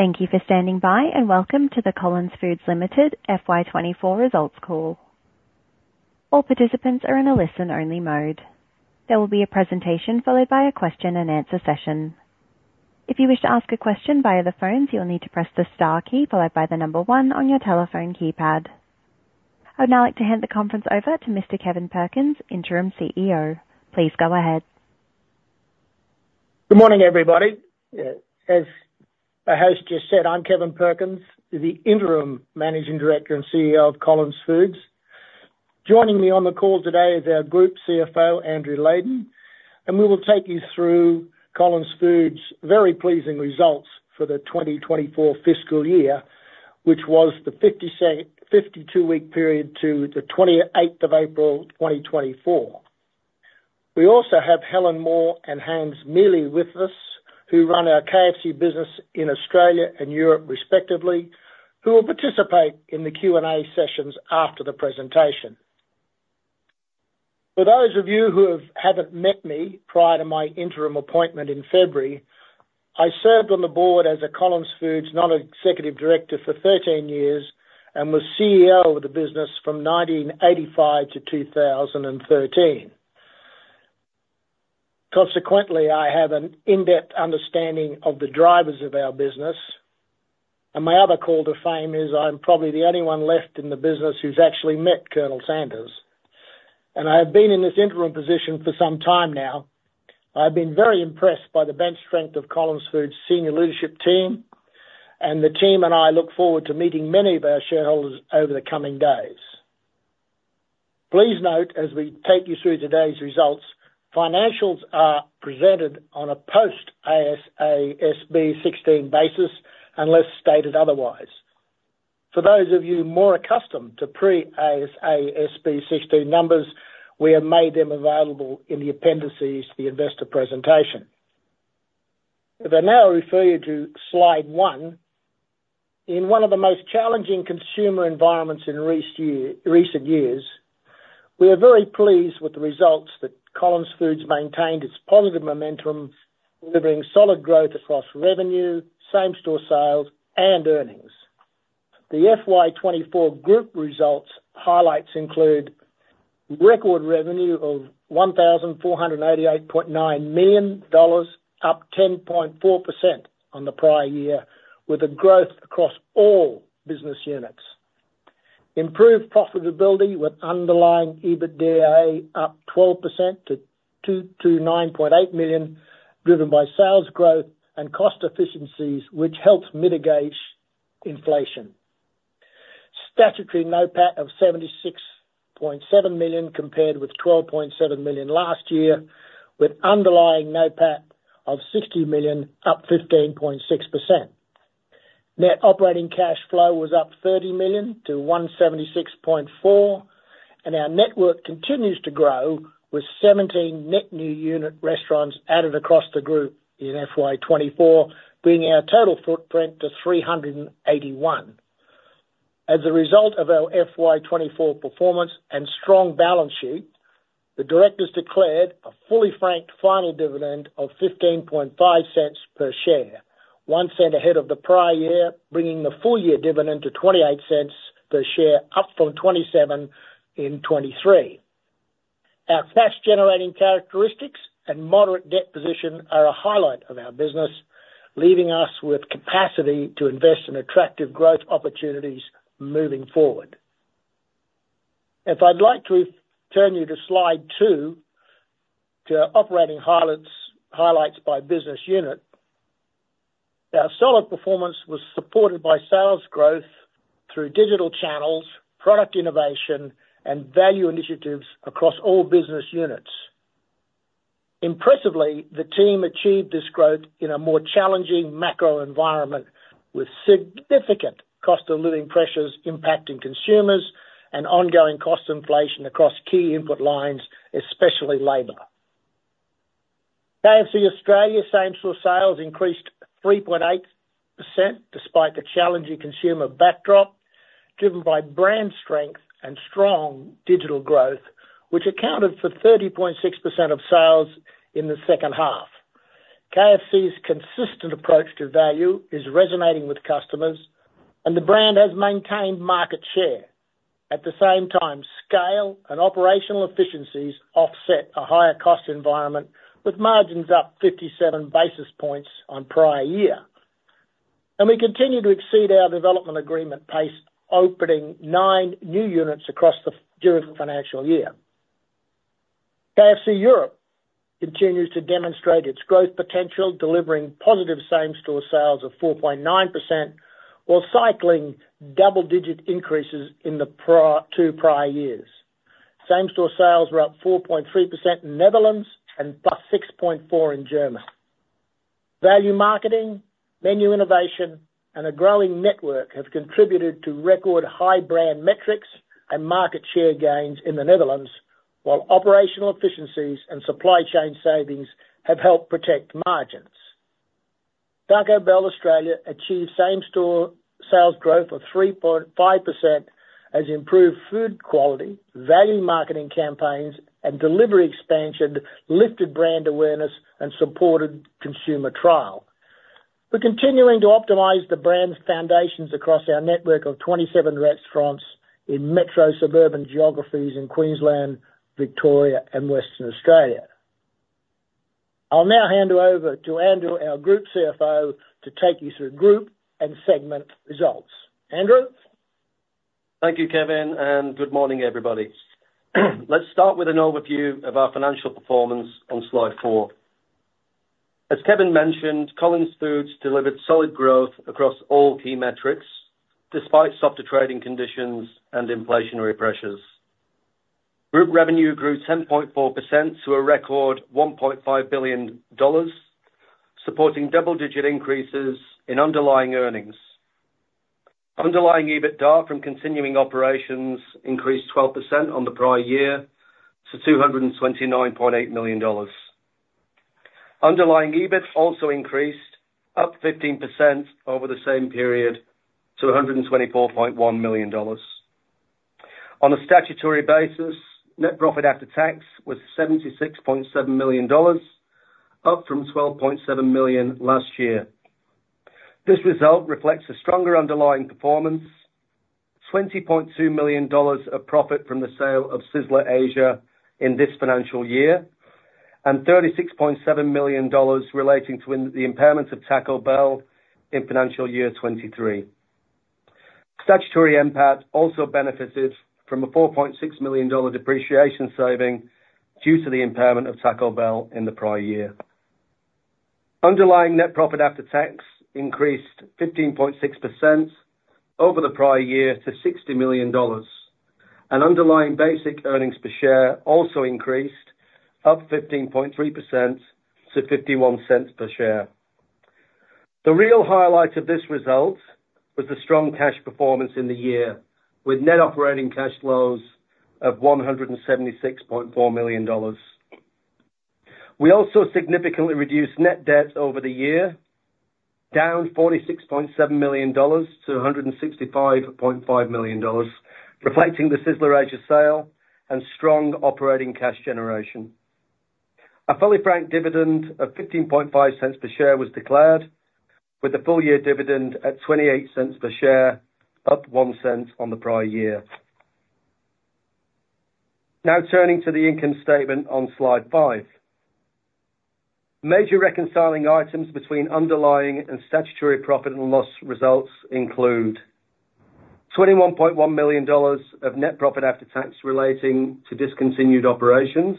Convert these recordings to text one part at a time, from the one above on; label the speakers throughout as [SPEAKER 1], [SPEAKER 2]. [SPEAKER 1] Thank you for standing by, and welcome to the Collins Foods Limited FY24 results call. All participants are in a listen-only mode. There will be a presentation followed by a question-and-answer session. If you wish to ask a question via the phones, you'll need to press the star key followed by the number one on your telephone keypad. I would now like to hand the conference over to Mr. Kevin Perkins, Interim CEO. Please go ahead.
[SPEAKER 2] Good morning, everybody. As I just said, I'm Kevin Perkins, the Interim Managing Director and CEO of Collins Foods. Joining me on the call today is our Group CFO, Andrew Leyden, and we will take you through Collins Foods' very pleasing results for the 2024 fiscal year, which was the 52-week period to the 28th of April 2024. We also have Helen Moore and Hans Miele with us, who run our KFC business in Australia and Europe, respectively, who will participate in the Q&A sessions after the presentation. For those of you who haven't met me prior to my interim appointment in February, I served on the board as a Collins Foods Non-Executive Director for 13 years and was CEO of the business from 1985 to 2013. Consequently, I have an in-depth understanding of the drivers of our business, and my other claim to fame is I'm probably the only one left in the business who's actually met Colonel Sanders. I have been in this interim position for some time now. I've been very impressed by the bench strength of Collins Foods' senior leadership team, and the team and I look forward to meeting many of our shareholders over the coming days. Please note, as we take you through today's results, financials are presented on a post-AASB 16 basis, unless stated otherwise. For those of you more accustomed to pre-AASB 16 numbers, we have made them available in the appendices to the investor presentation. If I now refer you to slide 1, in one of the most challenging consumer environments in recent years, we are very pleased with the results that Collins Foods maintained its positive momentum, delivering solid growth across revenue, same-store sales, and earnings. The FY24 group results highlights include record revenue of 1,488.9 million dollars, up 10.4% on the prior year, with a growth across all business units. Improved profitability with underlying EBITDA up 12% to 229.8 million, driven by sales growth and cost efficiencies, which helps mitigate inflation. Statutory NOPAT of 76.7 million compared with 12.7 million last year, with underlying NOPAT of 60 million, up 15.6%. Net operating cash flow was up 30 million to 176.4 million, and our network continues to grow, with 17 net new unit restaurants added across the group in FY24, bringing our total footprint to 381. As a result of our FY24 performance and strong balance sheet, the directors declared a fully franked final dividend of 0.15 per share, one cent ahead of the prior year, bringing the full-year dividend to 0.28 per share, up from 0.27 in 2023. Our cash-generating characteristics and moderate debt position are a highlight of our business, leaving us with capacity to invest in attractive growth opportunities moving forward. If I'd like to turn you to slide two to operating highlights by business unit, our solid performance was supported by sales growth through digital channels, product innovation, and value initiatives across all business units. Impressively, the team achieved this growth in a more challenging macro environment, with significant cost-of-living pressures impacting consumers and ongoing cost inflation across key input lines, especially labor. KFC Australia's same-store sales increased 3.8% despite the challenging consumer backdrop, driven by brand strength and strong digital growth, which accounted for 30.6% of sales in the second half. KFC's consistent approach to value is resonating with customers, and the brand has maintained market share. At the same time, scale and operational efficiencies offset a higher cost environment, with margins up 57 basis points on prior year. We continue to exceed our development agreement pace, opening 9 new units during the financial year. KFC Europe continues to demonstrate its growth potential, delivering positive same-store sales of 4.9% while cycling double-digit increases in the 2 prior years. Same-store sales were up 4.3% in the Netherlands and plus 6.4% in Germany. Value marketing, menu innovation, and a growing network have contributed to record high brand metrics and market share gains in the Netherlands, while operational efficiencies and supply chain savings have helped protect margins. Taco Bell Australia achieved same-store sales growth of 3.5% as improved food quality, value marketing campaigns, and delivery expansion lifted brand awareness and supported consumer trial. We're continuing to optimize the brand's foundations across our network of 27 restaurants in metro suburban geographies in Queensland, Victoria, and Western Australia. I'll now hand over to Andrew, our Group CFO, to take you through group and segment results. Andrew?
[SPEAKER 3] Thank you, Kevin, and good morning, everybody. Let's start with an overview of our financial performance on slide four. As Kevin mentioned, Collins Foods delivered solid growth across all key metrics despite softer trading conditions and inflationary pressures. Group revenue grew 10.4% to a record 1.5 billion dollars, supporting double-digit increases in underlying earnings. Underlying EBITDA from continuing operations increased 12% on the prior year to 229.8 million dollars. Underlying EBIT also increased, up 15% over the same period to 124.1 million dollars. On a statutory basis, net profit after tax was 76.7 million dollars, up from 12.7 million last year. This result reflects a stronger underlying performance, 20.2 million dollars of profit from the sale of Sizzler Asia in this financial year, and 36.7 million dollars relating to the impairment of Taco Bell in financial year 2023. Statutory impact also benefited from a 4.6 million dollar depreciation saving due to the impairment of Taco Bell in the prior year. Underlying net profit after tax increased 15.6% over the prior year to 60 million dollars. Underlying basic earnings per share also increased, up 15.3% to 0.51 per share. The real highlight of this result was the strong cash performance in the year, with net operating cash flows of 176.4 million dollars. We also significantly reduced net debt over the year, down 46.7 million dollars to 165.5 million dollars, reflecting the Sizzler Asia sale and strong operating cash generation. A fully franked dividend of 15.50 per share was declared, with the full-year dividend at 0.28 per share, up one cent on the prior year. Now turning to the income statement on slide five. Major reconciling items between underlying and statutory profit and loss results include 21.1 million dollars of net profit after tax relating to discontinued operations,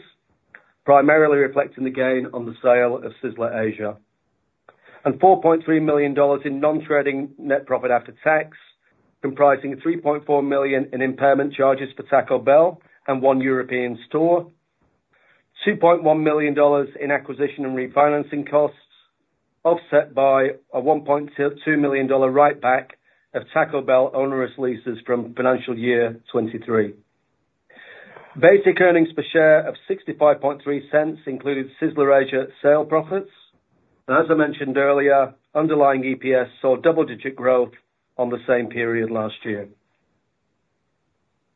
[SPEAKER 3] primarily reflecting the gain on the sale of Sizzler Asia, and 4.3 million dollars in non-trading net profit after tax, comprising 3.4 million in impairment charges for Taco Bell and one European store, 2.1 million dollars in acquisition and refinancing costs, offset by a 1.2 million dollar write-back of Taco Bell onerous leases from financial year 2023. Basic earnings per share of 0.653 included Sizzler Asia sale profits. As I mentioned earlier, underlying EPS saw double-digit growth on the same period last year.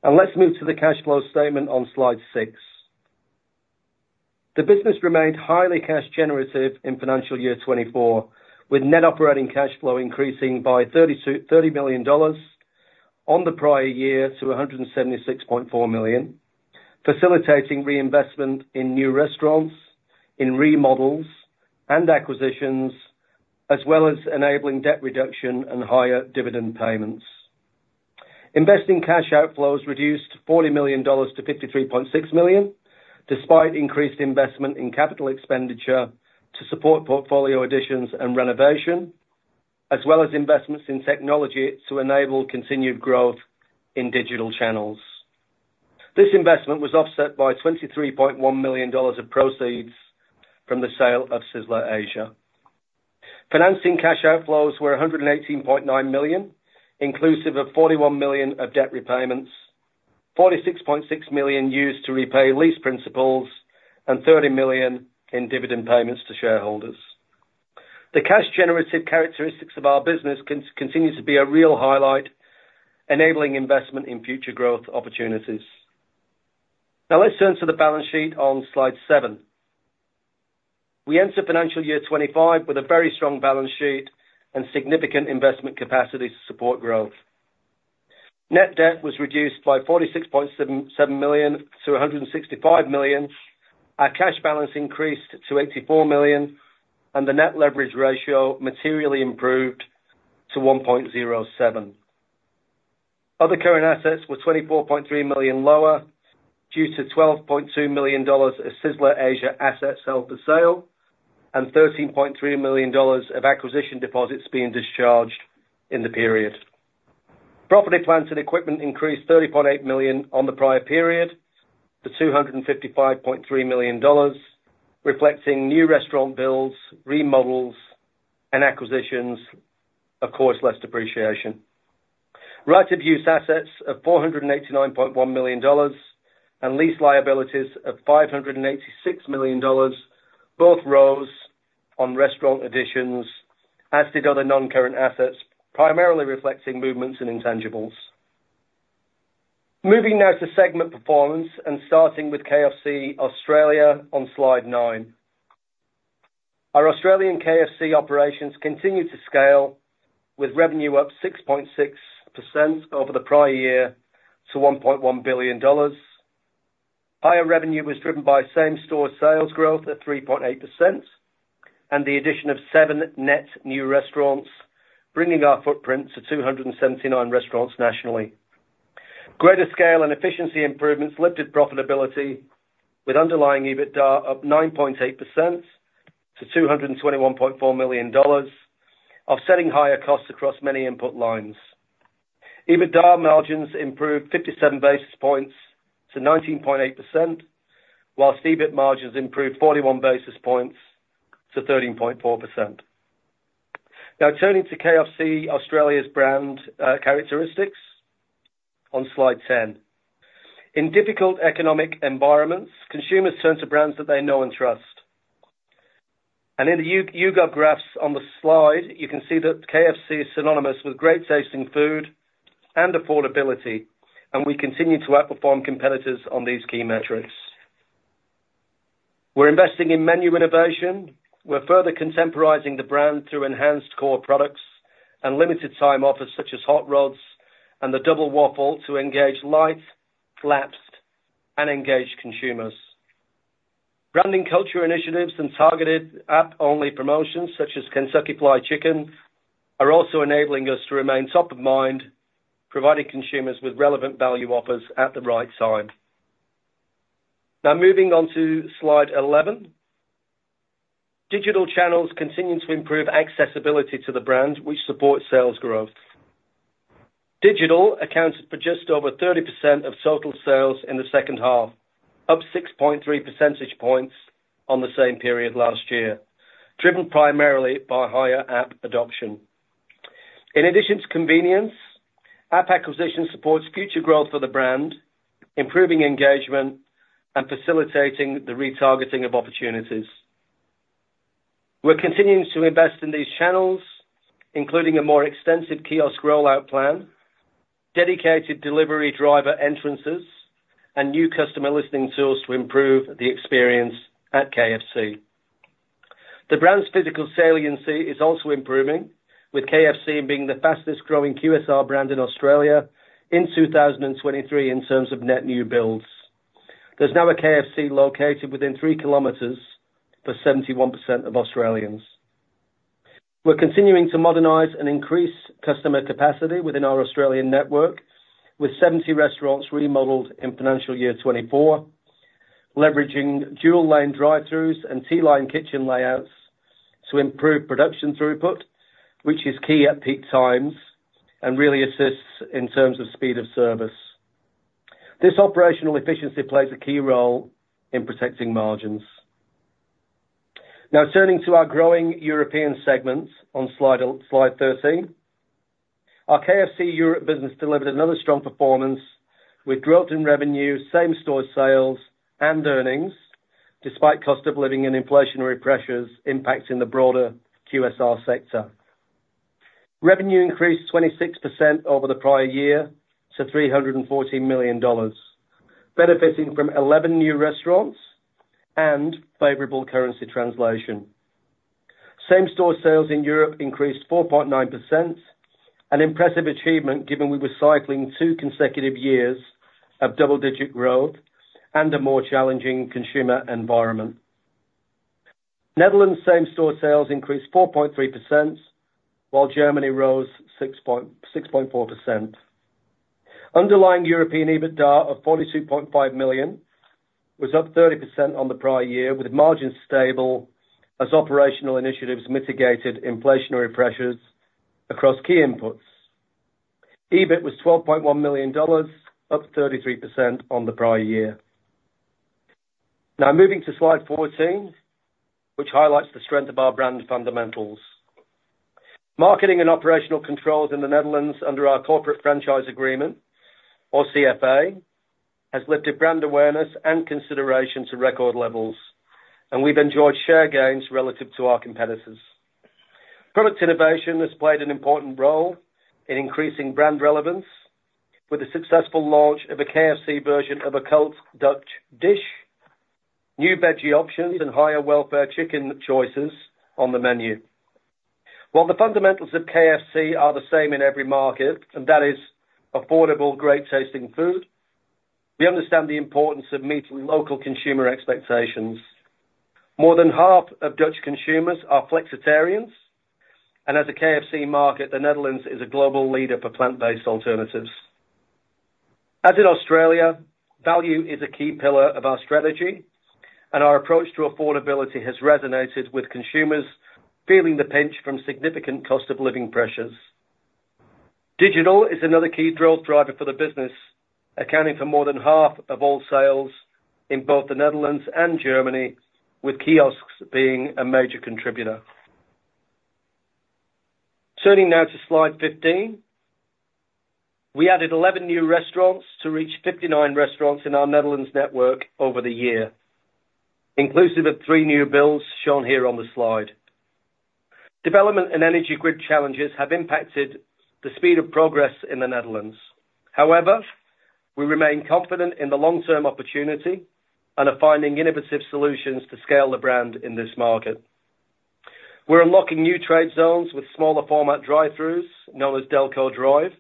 [SPEAKER 3] Let's move to the cash flow statement on slide six. The business remained highly cash-generative in financial year 2024, with net operating cash flow increasing by AUD 30 million on the prior year to AUD 176.4 million, facilitating reinvestment in new restaurants, in remodels, and acquisitions, as well as enabling debt reduction and higher dividend payments. Investing cash outflows reduced AUD 40 million to AUD 53.6 million, despite increased investment in capital expenditure to support portfolio additions and renovation, as well as investments in technology to enable continued growth in digital channels. This investment was offset by 23.1 million dollars of proceeds from the sale of Sizzler Asia. Financing cash outflows were 118.9 million, inclusive of 41 million of debt repayments, 46.6 million used to repay lease principals, and 30 million in dividend payments to shareholders. The cash-generative characteristics of our business continue to be a real highlight, enabling investment in future growth opportunities. Now let's turn to the balance sheet on slide seven. We enter financial year 2025 with a very strong balance sheet and significant investment capacity to support growth. Net debt was reduced by 46.7 million to 165 million. Our cash balance increased to 84 million, and the net leverage ratio materially improved to 1.07. Other current assets were 24.3 million lower due to 12.2 million dollars of Sizzler Asia assets held for sale and 13.3 million dollars of acquisition deposits being discharged in the period. Property, plant and equipment increased 30.8 million on the prior period to 255.3 million dollars, reflecting new restaurant builds, remodels, and acquisitions offset by less depreciation. Right-of-use assets of 489.1 million dollars and lease liabilities of 586 million dollars, both rose on restaurant additions as did other non-current assets, primarily reflecting movements in intangibles. Moving now to segment performance and starting with KFC Australia on slide 9. Our Australian KFC operations continue to scale, with revenue up 6.6% over the prior year to 1.1 billion dollars. Higher revenue was driven by same-store sales growth at 3.8% and the addition of seven net new restaurants, bringing our footprint to 279 restaurants nationally. Greater scale and efficiency improvements lifted profitability, with underlying EBITDA up 9.8% to 221.4 million dollars, offsetting higher costs across many input lines. EBITDA margins improved 57 basis points to 19.8%, whilst EBIT margins improved 41 basis points to 13.4%. Now turning to KFC Australia's brand characteristics on slide 10. In difficult economic environments, consumers turn to brands that they know and trust. In the YouGov graphs on the slide, you can see that KFC is synonymous with great tasting food and affordability, and we continue to outperform competitors on these key metrics. We're investing in menu innovation. We're further contemporizing the brand through enhanced core products and limited-time offers such as Hot Rods and the Double Waffle to engage light, lapsed, and engaged consumers. Branding culture initiatives and targeted app-only promotions such as Kentucky Fried Chicken are also enabling us to remain top of mind, providing consumers with relevant value offers at the right time. Now moving on to slide 11. Digital channels continue to improve accessibility to the brand, which supports sales growth. Digital accounted for just over 30% of total sales in the second half, up 6.3 percentage points on the same period last year, driven primarily by higher app adoption. In addition to convenience, app acquisition supports future growth for the brand, improving engagement and facilitating the retargeting of opportunities. We're continuing to invest in these channels, including a more extensive kiosk rollout plan, dedicated delivery driver entrances, and new customer listening tools to improve the experience at KFC. The brand's physical saliency is also improving, with KFC being the fastest-growing QSR brand in Australia in 2023 in terms of net new builds. There's now a KFC located within 3 kilometers for 71% of Australians. We're continuing to modernize and increase customer capacity within our Australian network, with 70 restaurants remodeled in financial year 2024, leveraging dual-lane drive-throughs and T-Line kitchen layouts to improve production throughput, which is key at peak times and really assists in terms of speed of service. This operational efficiency plays a key role in protecting margins. Now turning to our growing European segments on slide 13. Our KFC Europe business delivered another strong performance with growth in revenue, same-store sales, and earnings, despite cost of living and inflationary pressures impacting the broader QSR sector. Revenue increased 26% over the prior year to 314 million dollars, benefiting from 11 new restaurants and favorable currency translation. Same-store sales in Europe increased 4.9%, an impressive achievement given we were cycling two consecutive years of double-digit growth and a more challenging consumer environment. Netherlands' same-store sales increased 4.3%, while Germany rose 6.4%. Underlying European EBITDA of 42.5 million was up 30% on the prior year, with margins stable as operational initiatives mitigated inflationary pressures across key inputs. EBIT was 12.1 million dollars, up 33% on the prior year. Now moving to slide 14, which highlights the strength of our brand fundamentals. Marketing and operational controls in the Netherlands under our corporate franchise agreement, or CFA, has lifted brand awareness and consideration to record levels, and we've enjoyed share gains relative to our competitors. Product innovation has played an important role in increasing brand relevance, with the successful launch of a KFC version of a cult Dutch dish, new veggie options, and higher welfare chicken choices on the menu. While the fundamentals of KFC are the same in every market, and that is affordable, great tasting food, we understand the importance of meeting local consumer expectations. More than half of Dutch consumers are flexitarians, and as a KFC market, the Netherlands is a global leader for plant-based alternatives. As in Australia, value is a key pillar of our strategy, and our approach to affordability has resonated with consumers feeling the pinch from significant cost of living pressures. Digital is another key growth driver for the business, accounting for more than half of all sales in both the Netherlands and Germany, with kiosks being a major contributor. Turning now to slide 15, we added 11 new restaurants to reach 59 restaurants in our Netherlands network over the year, inclusive of 3 new builds shown here on the slide. Development and energy grid challenges have impacted the speed of progress in the Netherlands. However, we remain confident in the long-term opportunity and are finding innovative solutions to scale the brand in this market. We're unlocking new trade zones with smaller-format drive-throughs known as Delco Drive,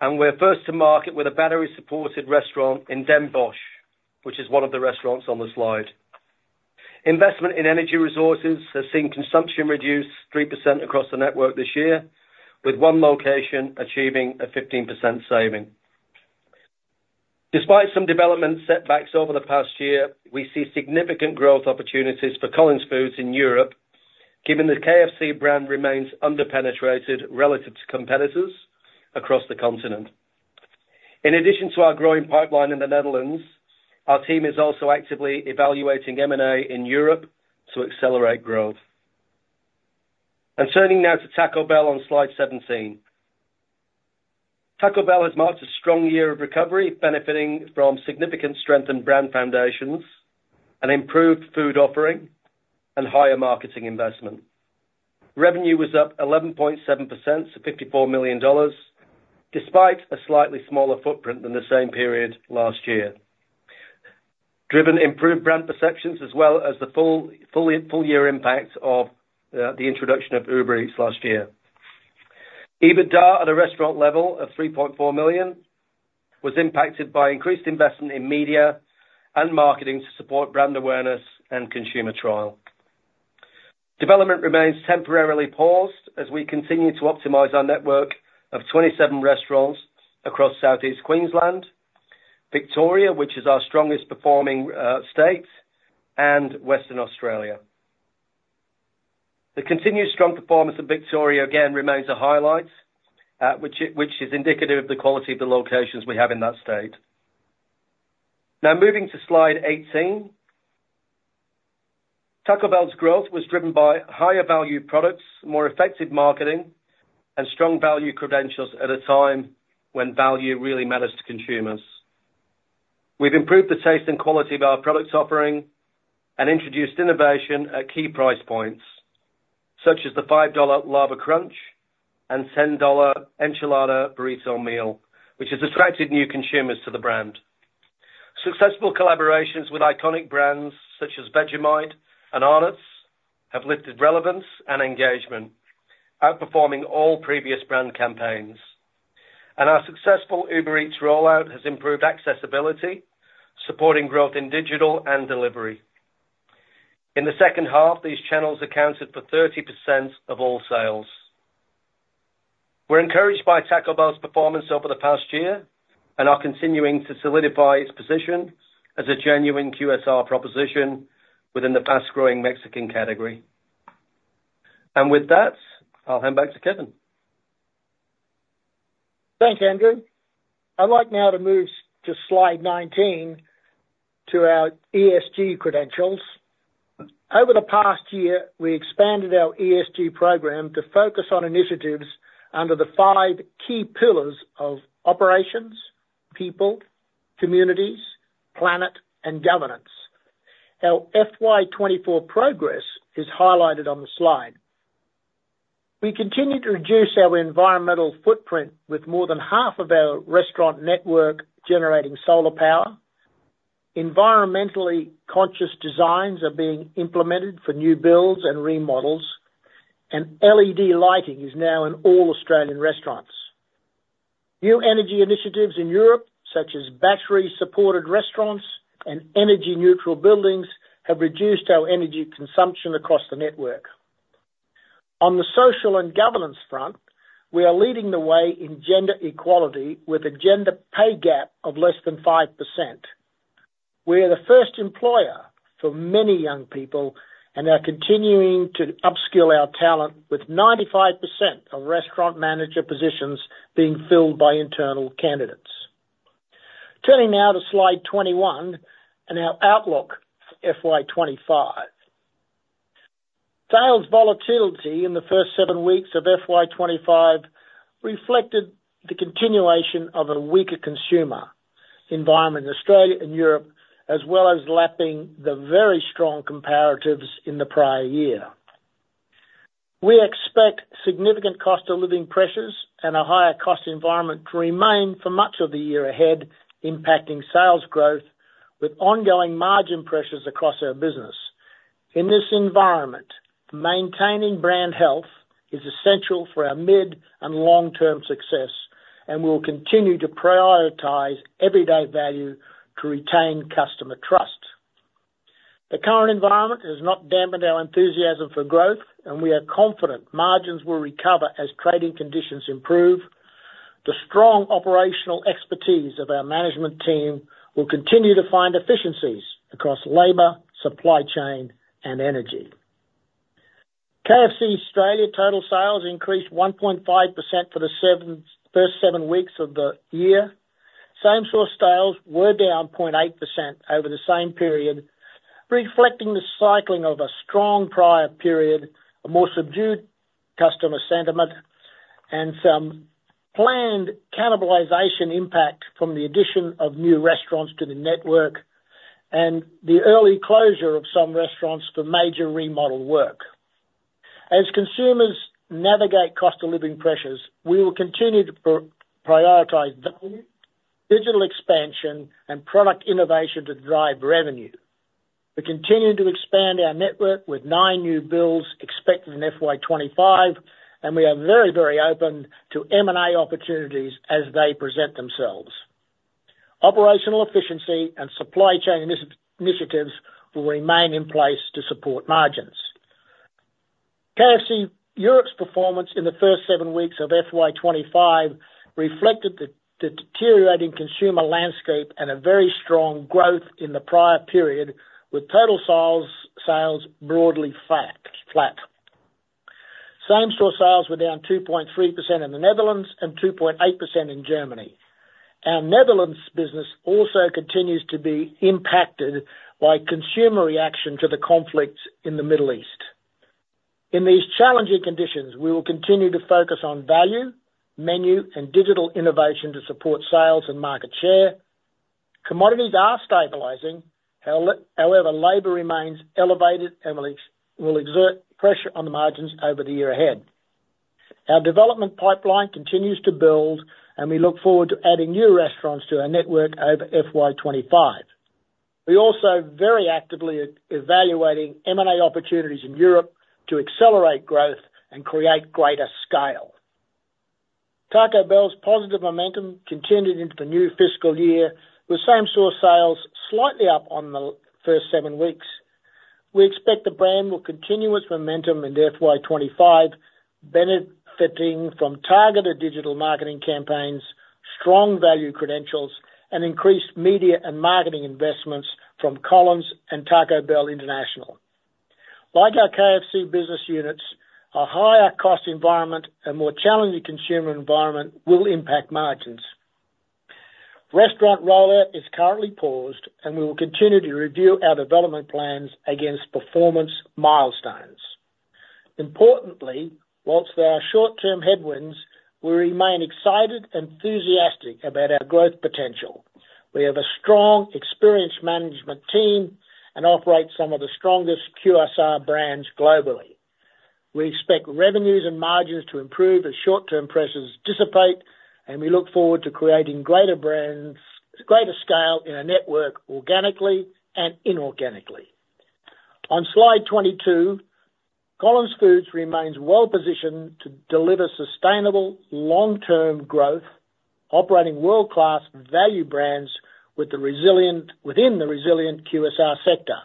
[SPEAKER 3] and we're first to market with a battery-supported restaurant in Den Bosch, which is one of the restaurants on the slide. Investment in energy resources has seen consumption reduce 3% across the network this year, with one location achieving a 15% saving. Despite some development setbacks over the past year, we see significant growth opportunities for Collins Foods in Europe, given the KFC brand remains underpenetrated relative to competitors across the continent. In addition to our growing pipeline in the Netherlands, our team is also actively evaluating M&A in Europe to accelerate growth. Turning now to Taco Bell on slide 17. Taco Bell has marked a strong year of recovery, benefiting from significant strengthened brand foundations and improved food offering and higher marketing investment. Revenue was up 11.7% to 54 million dollars, despite a slightly smaller footprint than the same period last year, driven improved brand perceptions as well as the full year impact of the introduction of Uber Eats last year. EBITDA at a restaurant level of 3.4 million was impacted by increased investment in media and marketing to support brand awareness and consumer trial. Development remains temporarily paused as we continue to optimize our network of 27 restaurants across Southeast Queensland, Victoria, which is our strongest-performing state, and Western Australia. The continued strong performance of Victoria again remains a highlight, which is indicative of the quality of the locations we have in that state. Now moving to slide 18, Taco Bell's growth was driven by higher value products, more effective marketing, and strong value credentials at a time when value really matters to consumers. We've improved the taste and quality of our product offering and introduced innovation at key price points, such as the 5 dollar Lava Crunch and 10 dollar Enchilada Burrito Meal, which has attracted new consumers to the brand. Successful collaborations with iconic brands such as Vegemite and Arnott's have lifted relevance and engagement, outperforming all previous brand campaigns. Our successful Uber Eats rollout has improved accessibility, supporting growth in digital and delivery. In the second half, these channels accounted for 30% of all sales. We're encouraged by Taco Bell's performance over the past year and are continuing to solidify its position as a genuine QSR proposition within the fast-growing Mexican category. With that, I'll hand back to Kevin.
[SPEAKER 2] Thanks, Andrew. I'd like now to move to slide 19 to our ESG credentials. Over the past year, we expanded our ESG program to focus on initiatives under the five key pillars of operations, people, communities, planet, and governance. Our FY2024 progress is highlighted on the slide. We continue to reduce our environmental footprint with more than half of our restaurant network generating solar power. Environmentally conscious designs are being implemented for new builds and remodels, and LED lighting is now in all Australian restaurants. New energy initiatives in Europe, such as battery-supported restaurants and energy-neutral buildings, have reduced our energy consumption across the network. On the social and governance front, we are leading the way in gender equality with a gender pay gap of less than 5%. We are the first employer for many young people and are continuing to upskill our talent, with 95% of restaurant manager positions being filled by internal candidates. Turning now to slide 21 and our outlook for FY25. Sales volatility in the first 7 weeks of FY25 reflected the continuation of a weaker consumer environment in Australia and Europe, as well as lapping the very strong comparatives in the prior year. We expect significant cost of living pressures and a higher cost environment to remain for much of the year ahead, impacting sales growth with ongoing margin pressures across our business. In this environment, maintaining brand health is essential for our mid and long-term success, and we'll continue to prioritize everyday value to retain customer trust. The current environment has not dampened our enthusiasm for growth, and we are confident margins will recover as trading conditions improve. The strong operational expertise of our management team will continue to find efficiencies across labor, supply chain, and energy. KFC Australia total sales increased 1.5% for the first seven weeks of the year. Same-store sales were down 0.8% over the same period, reflecting the cycling of a strong prior period, a more subdued customer sentiment, and some planned cannibalization impact from the addition of new restaurants to the network and the early closure of some restaurants for major remodel work. As consumers navigate cost of living pressures, we will continue to prioritize value, digital expansion, and product innovation to drive revenue. We continue to expand our network with 9 new builds expected in FY25, and we are very, very open to M&A opportunities as they present themselves. Operational efficiency and supply chain initiatives will remain in place to support margins. KFC Europe's performance in the first 7 weeks of FY25 reflected the deteriorating consumer landscape and a very strong growth in the prior period, with total sales broadly flat. Same-store sales were down 2.3% in the Netherlands and 2.8% in Germany. Our Netherlands business also continues to be impacted by consumer reaction to the conflicts in the Middle East. In these challenging conditions, we will continue to focus on value, menu, and digital innovation to support sales and market share. Commodities are stabilizing. However, labor remains elevated and will exert pressure on the margins over the year ahead. Our development pipeline continues to build, and we look forward to adding new restaurants to our network over FY25. We are also very actively evaluating M&A opportunities in Europe to accelerate growth and create greater scale. Taco Bell's positive momentum continued into the new fiscal year, with same-store sales slightly up on the first seven weeks. We expect the brand will continue its momentum in FY25, benefiting from targeted digital marketing campaigns, strong value credentials, and increased media and marketing investments from Collins and Taco Bell International. Like our KFC business units, a higher cost environment and more challenging consumer environment will impact margins. Restaurant rollout is currently paused, and we will continue to review our development plans against performance milestones. Importantly, while there are short-term headwinds, we remain excited and enthusiastic about our growth potential. We have a strong, experienced management team and operate some of the strongest QSR brands globally. We expect revenues and margins to improve as short-term pressures dissipate, and we look forward to creating greater scale in our network organically and inorganically. On slide 22, Collins Foods remains well-positioned to deliver sustainable, long-term growth, operating world-class value brands within the resilient QSR sector.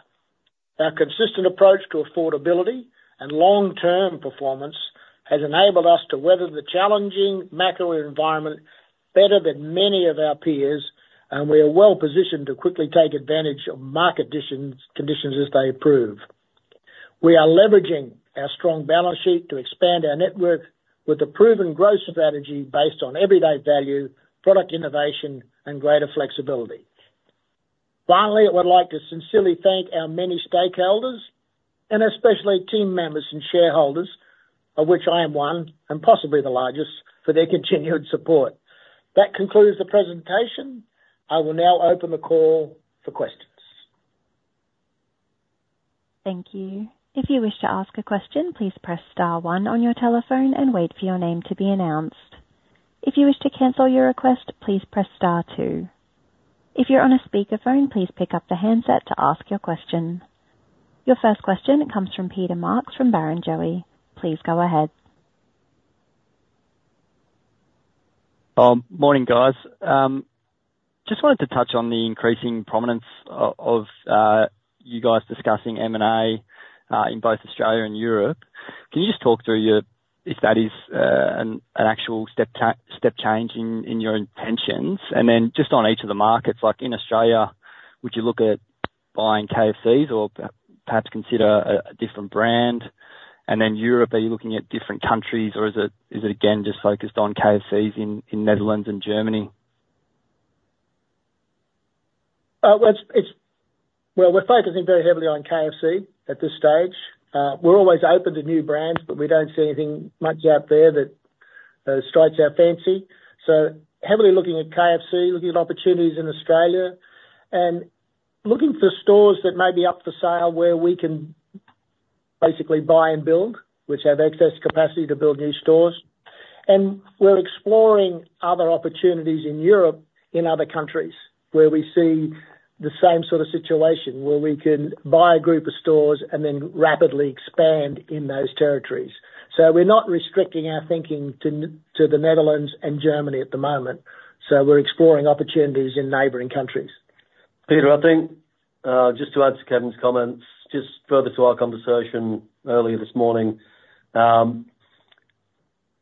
[SPEAKER 2] Our consistent approach to affordability and long-term performance has enabled us to weather the challenging macro environment better than many of our peers, and we are well-positioned to quickly take advantage of market conditions as they improve. We are leveraging our strong balance sheet to expand our network with a proven growth strategy based on everyday value, product innovation, and greater flexibility. Finally, I would like to sincerely thank our many stakeholders, and especially team members and shareholders, of which I am one and possibly the largest, for their continued support. That concludes the presentation. I will now open the call for questions.
[SPEAKER 1] Thank you. If you wish to ask a question, please press star one on your telephone and wait for your name to be announced. If you wish to cancel your request, please press star two. If you're on a speakerphone, please pick up the handset to ask your question. Your first question comes from Peter Marks from Barrenjoey. Please go ahead.
[SPEAKER 4] Morning, guys. Just wanted to touch on the increasing prominence of you guys discussing M&A in both Australia and Europe. Can you just talk through if that is an actual step change in your intentions? And then just on each of the markets, like in Australia, would you look at buying KFCs or perhaps consider a different brand? And then Europe, are you looking at different countries, or is it again just focused on KFCs in Netherlands and Germany?
[SPEAKER 2] Well, we're focusing very heavily on KFC at this stage. We're always open to new brands, but we don't see anything much out there that strikes our fancy. So heavily looking at KFC, looking at opportunities in Australia, and looking for stores that may be up for sale where we can basically buy and build, which have excess capacity to build new stores. And we're exploring other opportunities in Europe in other countries where we see the same sort of situation, where we can buy a group of stores and then rapidly expand in those territories. So we're not restricting our thinking to the Netherlands and Germany at the moment. So we're exploring opportunities in neighboring countries.
[SPEAKER 3] Peter, I think just to add to Kevin's comments, just further to our conversation earlier this morning,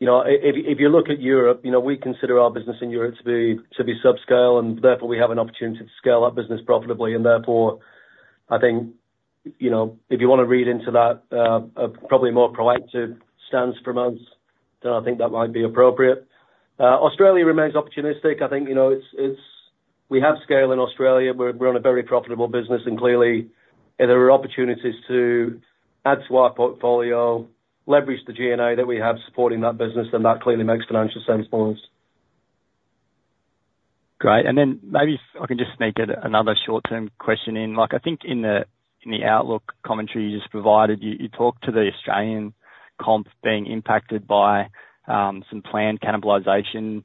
[SPEAKER 3] if you look at Europe, we consider our business in Europe to be subscale, and therefore we have an opportunity to scale our business profitably. And therefore, I think if you want to read into that, probably a more proactive stance from us, then I think that might be appropriate. Australia remains opportunistic. I think we have scale in Australia. We're on a very profitable business, and clearly there are opportunities to add to our portfolio, leverage the G&A that we have supporting that business, and that clearly makes financial sense for us.
[SPEAKER 4] Great. And then maybe I can just sneak in another short-term question in. I think in the outlook commentary you just provided, you talked to the Australian comp being impacted by some planned cannibalization,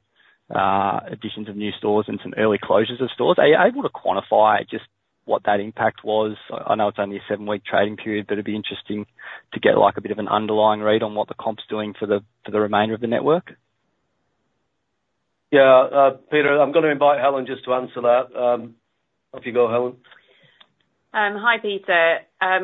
[SPEAKER 4] additions of new stores, and some early closures of stores. Are you able to quantify just what that impact was? I know it's only a 7-week trading period, but it'd be interesting to get a bit of an underlying read on what the comp's doing for the remainder of the network.
[SPEAKER 3] Yeah, Peter, I'm going to invite Helen just to answer that. Off you go, Helen.
[SPEAKER 5] Hi, Peter.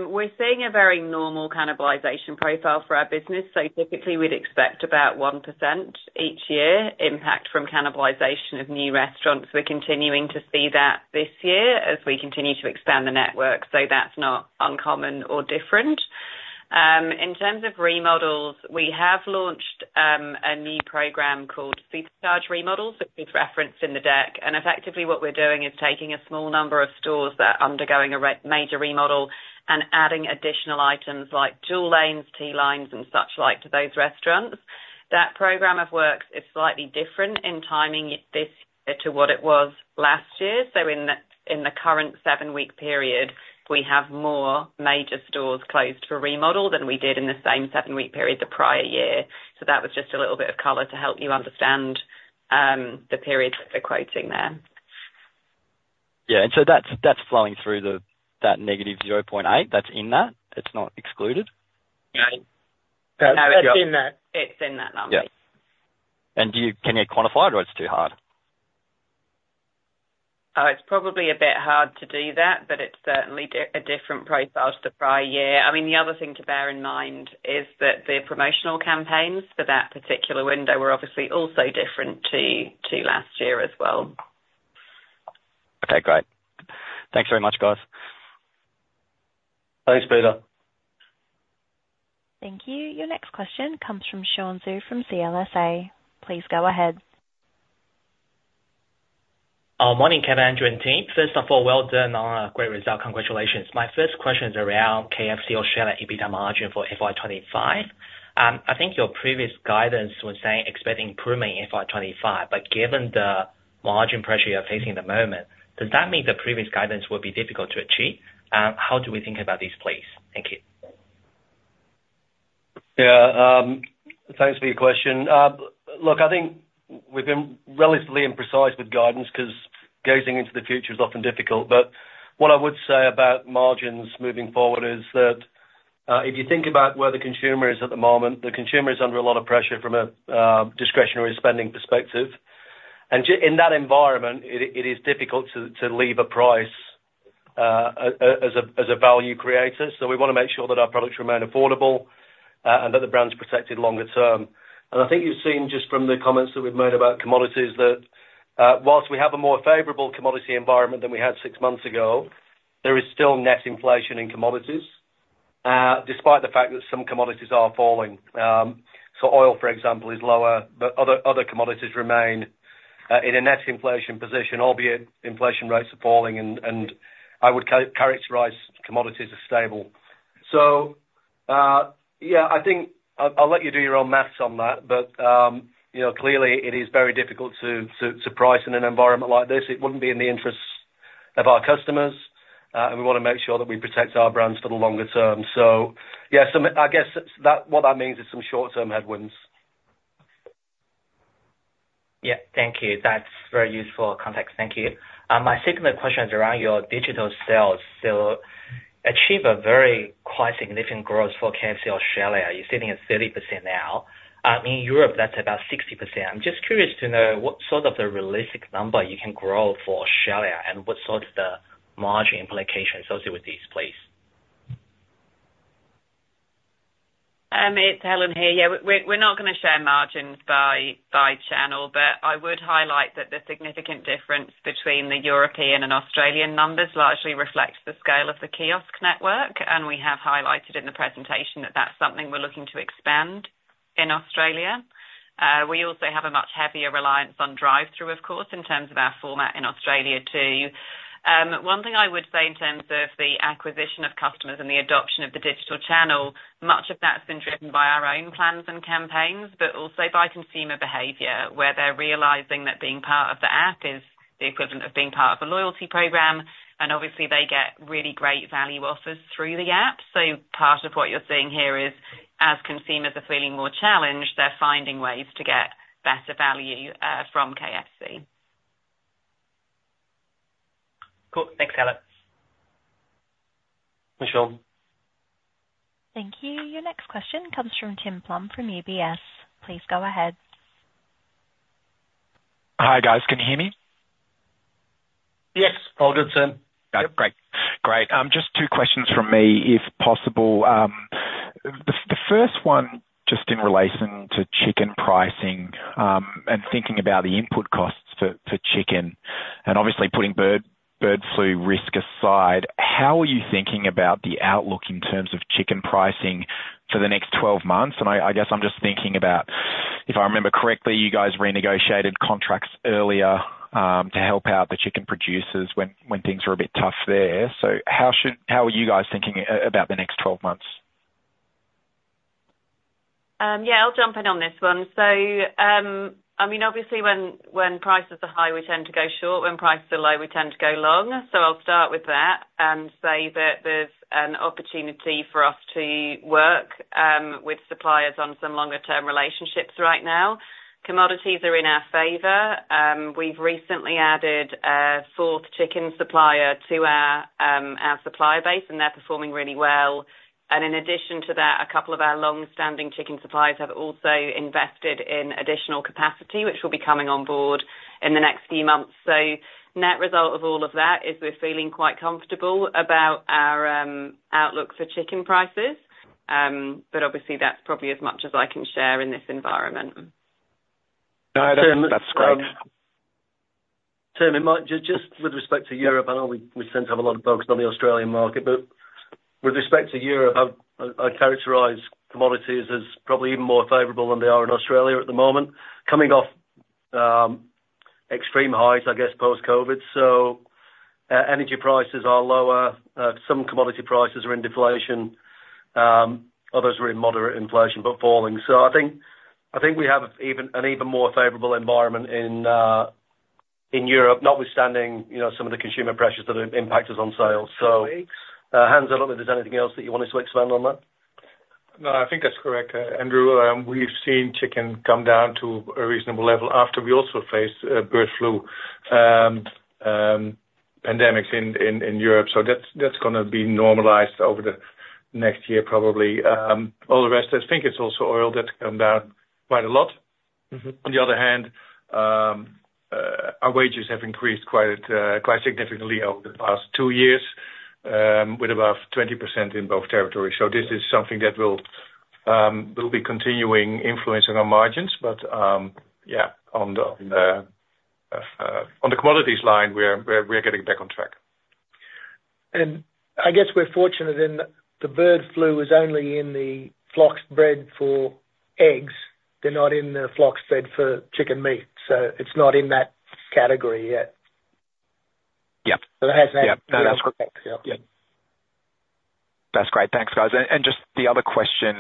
[SPEAKER 5] We're seeing a very normal cannibalization profile for our business. So typically, we'd expect about 1% each year impact from cannibalization of new restaurants. We're continuing to see that this year as we continue to expand the network, so that's not uncommon or different. In terms of remodels, we have launched a new program called Supercharge Remodels, which was referenced in the deck. Effectively, what we're doing is taking a small number of stores that are undergoing a major remodel and adding additional items like dual lanes, DT lines, and such like to those restaurants. That program of works is slightly different in timing this year to what it was last year. So in the current 7-week period, we have more major stores closed for remodel than we did in the same 7-week period the prior year. So that was just a little bit of color to help you understand the periods that we're quoting there.
[SPEAKER 4] Yeah. And so that's flowing through that negative 0.8 that's in that? It's not excluded? No, it's in that. It's in that number. Yeah. And can you quantify it, or it's too hard?
[SPEAKER 5] Oh, it's probably a bit hard to do that, but it's certainly a different profile to the prior year. I mean, the other thing to bear in mind is that the promotional campaigns for that particular window were obviously also different to last year as well.
[SPEAKER 4] Okay, great. Thanks very much, guys. Thanks, Peter. Thank you.
[SPEAKER 1] Your next question comes from Shawn Zhu from CLSA. Please go ahead.
[SPEAKER 6] Morning, Kev, Andrew, and team. First of all, well done on a great result. Congratulations. My first question is around KFC Australia's EBITDA margin for FY25. I think your previous guidance was saying expect improvement in FY25, but given the margin pressure you're facing at the moment, does that mean the previous guidance will be difficult to achieve? How do we think about these plays? Thank you.
[SPEAKER 2] Yeah, thanks for your question. Look, I think we've been relatively imprecise with guidance because gazing into the future is often difficult. But what I would say about margins moving forward is that if you think about where the consumer is at the moment, the consumer is under a lot of pressure from a discretionary spending perspective. And in that environment, it is difficult to leave a price as a value creator. So we want to make sure that our products remain affordable and that the brand's protected longer term. And I think you've seen just from the comments that we've made about commodities that whilst we have a more favorable commodity environment than we had six months ago, there is still net inflation in commodities, despite the fact that some commodities are falling. So oil, for example, is lower, but other commodities remain in a net inflation position, albeit inflation rates are falling, and I would characterize commodities as stable. So yeah, I think I'll let you do your own math on that, but clearly, it is very difficult to price in an environment like this. It wouldn't be in the interests of our customers, and we want to make sure that we protect our brands for the longer term. So yeah, I guess what that means is some short-term headwinds.
[SPEAKER 6] Yeah, thank you. That's very useful context. Thank you. My second question is around your digital sales. So achieve a very quite significant growth for KFC Australia. You're sitting at 30% now. In Europe, that's about 60%. I'm just curious to know what sort of a realistic number you can grow for Australia and what sort of the margin implications associated with these, please.
[SPEAKER 5] It's Helen here. Yeah, we're not going to share margins by channel, but I would highlight that the significant difference between the European and Australian numbers largely reflects the scale of the kiosk network. And we have highlighted in the presentation that that's something we're looking to expand in Australia. We also have a much heavier reliance on drive-through, of course, in terms of our format in Australia too. One thing I would say in terms of the acquisition of customers and the adoption of the digital channel, much of that's been driven by our own plans and campaigns, but also by consumer behavior, where they're realizing that being part of the app is the equivalent of being part of a loyalty program. And obviously, they get really great value offers through the app. So part of what you're seeing here is, as consumers are feeling more challenged, they're finding ways to get better value from KFC. Cool.
[SPEAKER 6] Thanks, Helen.
[SPEAKER 1] Thank you. Your next question comes from Tim Plumbe from UBS. Please go ahead.
[SPEAKER 7] Hi, guys. Can you hear me? Yes. All good, Tim. Great. Great. Just 2 questions from me, if possible. The first one, just in relation to chicken pricing and thinking about the input costs for chicken, and obviously putting bird flu risk aside, how are you thinking about the outlook in terms of chicken pricing for the next 12 months? And I guess I'm just thinking about, if I remember correctly, you guys renegotiated contracts earlier to help out the chicken producers when things were a bit tough there. So how are you guys thinking about the next 12 months?
[SPEAKER 5] Yeah, I'll jump in on this one. So I mean, obviously, when prices are high, we tend to go short. When prices are low, we tend to go long. So I'll start with that and say that there's an opportunity for us to work with suppliers on some longer-term relationships right now. Commodities are in our favor. We've recently added a fourth chicken supplier to our supplier base, and they're performing really well. And in addition to that, a couple of our long-standing chicken suppliers have also invested in additional capacity, which will be coming on board in the next few months. So net result of all of that is we're feeling quite comfortable about our outlook for chicken prices. But obviously, that's probably as much as I can share in this environment. No, that's great.
[SPEAKER 2] Tim, just with respect to Europe, I know we tend to have a lot of focus on the Australian market, but with respect to Europe, I'd characterize commodities as probably even more favorable than they are in Australia at the moment, coming off extreme highs, I guess, post-COVID. So energy prices are lower. Some commodity prices are in deflation. Others are in moderate inflation, but falling. So I think we have an even more favorable environment in Europe, notwithstanding some of the consumer pressures that have impacted on sales. So hands up if there's anything else that you wanted to expand on that. No, I think that's correct. Andrew, we've seen chicken come down to a reasonable level after we also faced bird flu pandemics in Europe. So that's going to be normalized over the next year, probably. All the rest, I think it's also oil that's come down quite a lot. On the other hand, our wages have increased quite significantly over the past two years, with about 20% in both territories. So this is something that will be a continuing influence on our margins. But yeah, on the commodities line, we're getting back on track. And I guess we're fortunate in that the bird flu is only in the flocks bred for eggs. They're not in the flocks bred for chicken meat. So it's not in that category yet. So that hasn't happened yet.
[SPEAKER 7] That's great. Thanks, guys. And just the other question,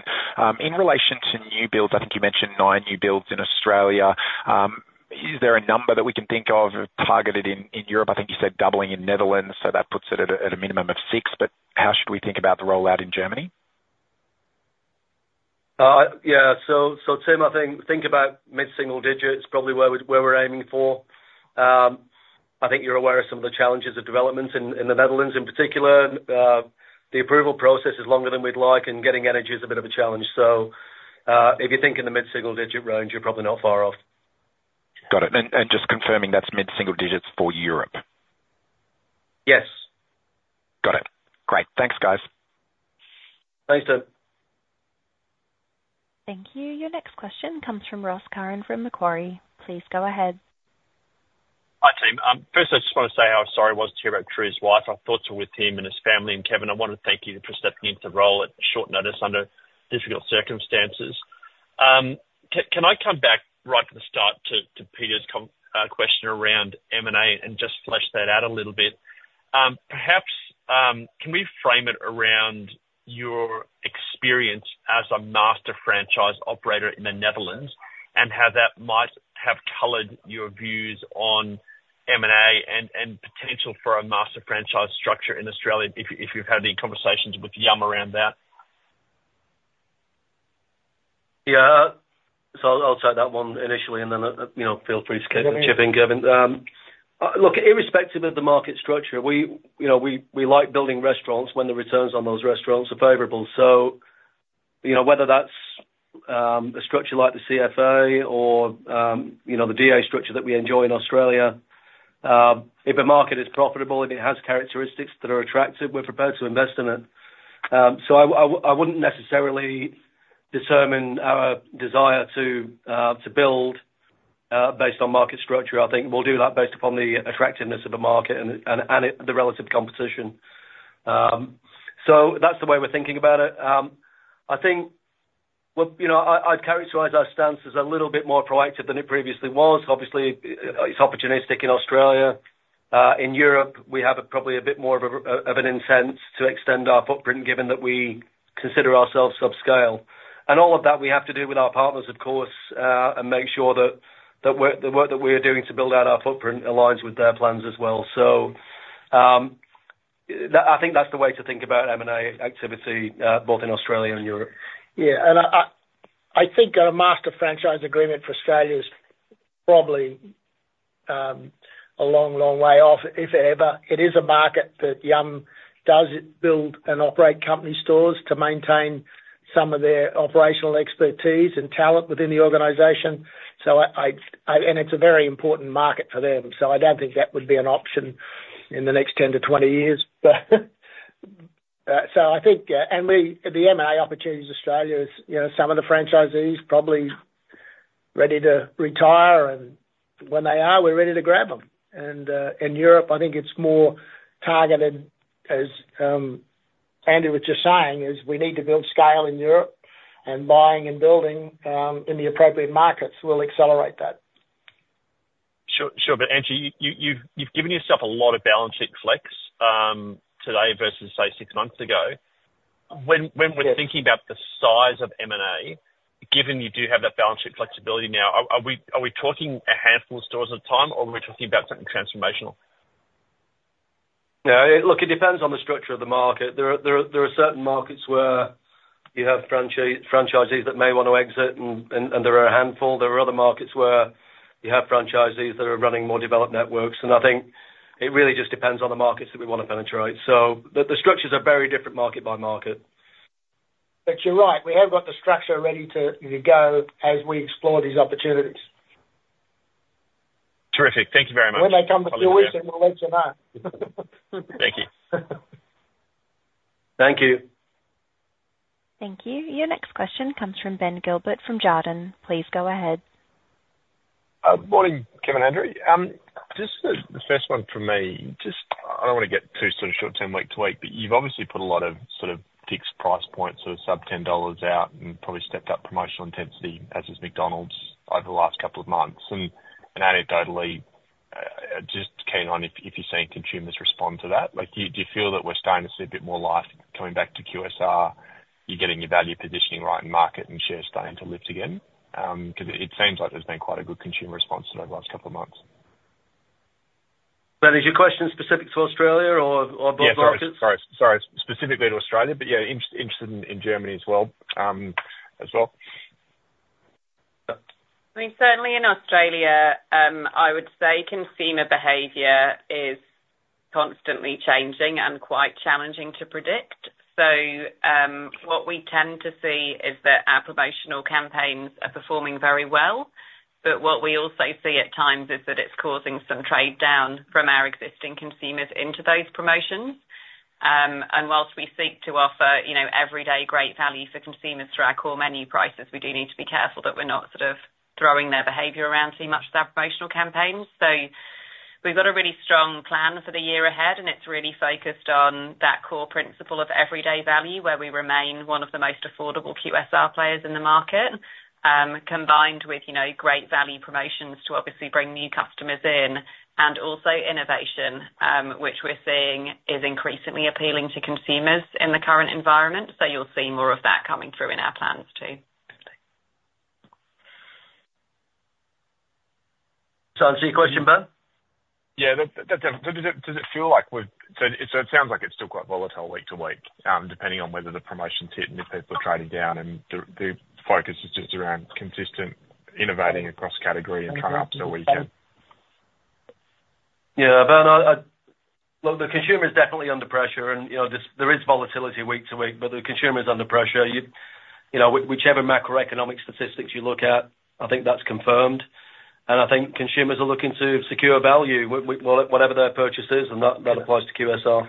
[SPEAKER 7] in relation to new builds, I think you mentioned nine new builds in Australia. Is there a number that we can think of targeted in Europe? I think you said doubling in Netherlands, so that puts it at a minimum of six. But how should we think about the rollout in Germany?
[SPEAKER 3] Yeah. So Tim, I think about mid-single digit is probably where we're aiming for. I think you're aware of some of the challenges of developments in the Netherlands in particular. The approval process is longer than we'd like, and getting energy is a bit of a challenge. So if you think in the mid-single digit range, you're probably not far off.
[SPEAKER 7] Got it. And just confirming that's mid-single digits for Europe. Yes. Got it. Great. Thanks, guys. Thanks, Tim.
[SPEAKER 1] Thank you. Your next question comes from Ross Curran from Macquarie. Please go ahead.
[SPEAKER 8] Hi, Tim. First, I just want to say how sorry I was to hear about Drew's wife. Our thoughts are with him and his family. And Kevin, I want to thank you for stepping into the role at short notice under difficult circumstances. Can I come back right to the start to Peter's question around M&A and just flesh that out a little bit? Perhaps can we frame it around your experience as a master franchise operator in the Netherlands and how that might have colored your views on M&A and potential for a master franchise structure in Australia, if you've had any conversations with Yum around that?
[SPEAKER 3] Yeah. So I'll take that one initially, and then feel free to chip in, Kevin. Look, irrespective of the market structure, we like building restaurants when the returns on those restaurants are favorable. So whether that's a structure like the CFA or the DA structure that we enjoy in Australia, if a market is profitable and it has characteristics that are attractive, we're prepared to invest in it. So I wouldn't necessarily determine our desire to build based on market structure. I think we'll do that based upon the attractiveness of the market and the relative competition. So that's the way we're thinking about it. I think I'd characterize our stance as a little bit more proactive than it previously was. Obviously, it's opportunistic in Australia. In Europe, we have probably a bit more of an incentive to extend our footprint given that we consider ourselves subscale. And all of that, we have to do with our partners, of course, and make sure that the work that we're doing to build out our footprint aligns with their plans as well. So I think that's the way to think about M&A activity, both in Australia and Europe. Yeah. And I think a master franchise agreement for Australia is probably a long, long way off, if ever.
[SPEAKER 2] It is a market that Yum does build and operate company stores to maintain some of their operational expertise and talent within the organization. It's a very important market for them. So I don't think that would be an option in the next 10-20 years. So I think, and the M&A opportunities in Australia, some of the franchisees are probably ready to retire. And when they are, we're ready to grab them. And in Europe, I think it's more targeted, as Andrew was just saying, is we need to build scale in Europe, and buying and building in the appropriate markets will accelerate that.
[SPEAKER 8] Sure. Sure. But Andrew, you've given yourself a lot of balance sheet flex today versus, say, six months ago. When we're thinking about the size of M&A, given you do have that balance sheet flexibility now, are we talking a handful of stores at a time, or are we talking about something transformational?
[SPEAKER 2] No, look, it depends on the structure of the market. There are certain markets where you have franchisees that may want to exit, and there are a handful. There are other markets where you have franchisees that are running more developed networks. And I think it really just depends on the markets that we want to penetrate. So the structures are very different market by market. But you're right. We have got the structure ready to go as we explore these opportunities. Terrific. Thank you very much. When they come to fruition, we'll let you know. Thank you. Thank you. Thank you.
[SPEAKER 1] Your next question comes from Ben Gilbert from Jarden. Please go ahead.
[SPEAKER 9] Morning, Kevin Perkins. Just the first one for me. I don't want to get too sort of short, Tim, week-to-week, but you've obviously put a lot of sort of fixed price points of sub-AUD 10 out and probably stepped up promotional intensity as is McDonald’s over the last couple of months. And anecdotally, just keen on if you're seeing consumers respond to that. Do you feel that we're starting to see a bit more life coming back to QSR? You're getting your value positioning right in market and share starting to lift again? Because it seems like there's been quite a good consumer response over the last couple of months. But is your question specific to Australia or both markets? Sorry, specifically to Australia, but yeah, interested in Germany as well.
[SPEAKER 5] I mean, certainly in Australia, I would say consumer behavior is constantly changing and quite challenging to predict. So what we tend to see is that our promotional campaigns are performing very well. But what we also see at times is that it's causing some trade down from our existing consumers into those promotions. And while we seek to offer everyday great value for consumers through our core menu prices, we do need to be careful that we're not sort of throwing their behavior around too much with our promotional campaigns. So we've got a really strong plan for the year ahead, and it's really focused on that core principle of everyday value, where we remain one of the most affordable QSR players in the market, combined with great value promotions to obviously bring new customers in. Also innovation, which we're seeing is increasingly appealing to consumers in the current environment. So you'll see more of that coming through in our plans too.
[SPEAKER 3] So I'll see your question, Ben.
[SPEAKER 9] Yeah. Does it feel like it sounds like it's still quite volatile week to week, depending on whether the promotions hit and if people are trading down, and the focus is just around consistent innovating across category and coming up so we can.
[SPEAKER 3] Yeah. Look, the consumer is definitely under pressure, and there is volatility week to week, but the consumer is under pressure. Whichever macroeconomic statistics you look at, I think that's confirmed. And I think consumers are looking to secure value, whatever their purchase is, and that applies to QSR.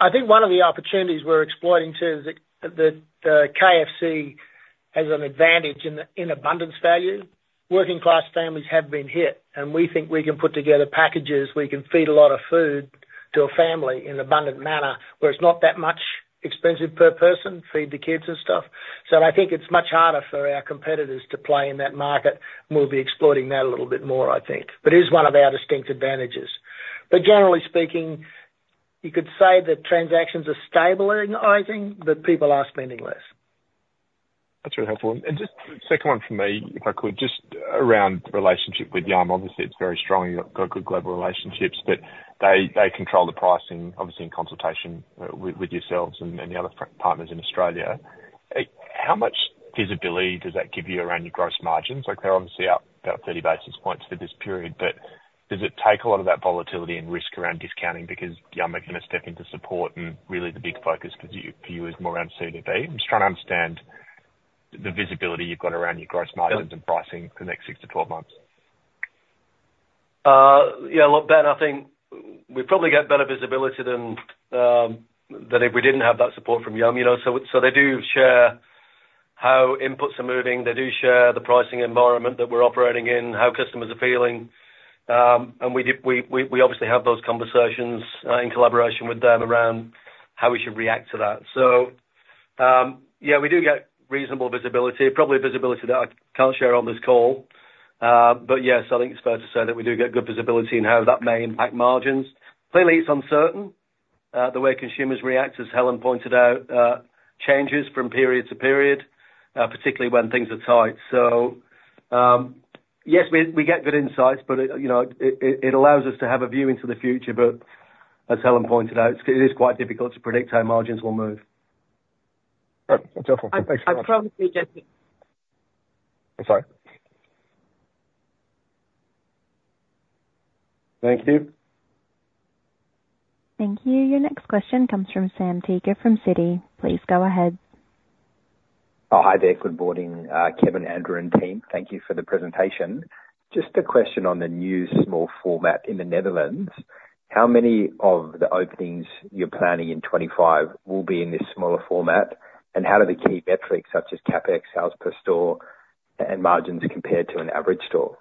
[SPEAKER 3] I think one of the opportunities we're exploiting too is that the KFC has an advantage in abundance value. Working-class families have been hit, and we think we can put together packages. We can feed a lot of food to a family in an abundant manner, where it's not that much expensive per person, feed the kids and stuff. So I think it's much harder for our competitors to play in that market, and we'll be exploiting that a little bit more, I think. But it is one of our distinct advantages. But generally speaking, you could say that transactions are stabilizing, but people are spending less.
[SPEAKER 9] That's really helpful. And just second one for me, if I could, just around the relationship with Yum. Obviously, it's very strong. You've got good global relationships, but they control the pricing, obviously in consultation with yourselves and the other partners in Australia. How much visibility does that give you around your gross margins? They're obviously up about 30 basis points for this period, but does it take a lot of that volatility and risk around discounting because Yum are going to step into support? And really, the big focus for you is more around CDB. I'm just trying to understand the visibility you've got around your gross margins and pricing for the next 6 to 12 months.
[SPEAKER 2] Yeah. Look, Ben, I think we probably get better visibility than if we didn't have that support from Yum. So they do share how inputs are moving. They do share the pricing environment that we're operating in, how customers are feeling. And we obviously have those conversations in collaboration with them around how we should react to that. So yeah, we do get reasonable visibility, probably visibility that I can't share on this call. But yes, I think it's fair to say that we do get good visibility in how that may impact margins. Clearly, it's uncertain. The way consumers react, as Helen pointed out, changes from period to period, particularly when things are tight. So yes, we get good insights, but it allows us to have a view into the future. But as Helen pointed out, it is quite difficult to predict how margins will move. Great. Well, terrible. Thanks so much. I'll probably just. I'm sorry. Thank you. Thank you.
[SPEAKER 1] Your next question comes from Sam Teeger from Citi. Please go ahead.
[SPEAKER 10] Oh, hi there. Good morning, Kevin, Andrew, and team. Thank you for the presentation. Just a question on the new small format in the Netherlands. How many of the openings you're planning in 2025 will be in this smaller format? And how do they keep metrics such as capex, sales per store, and margins compared to an average store?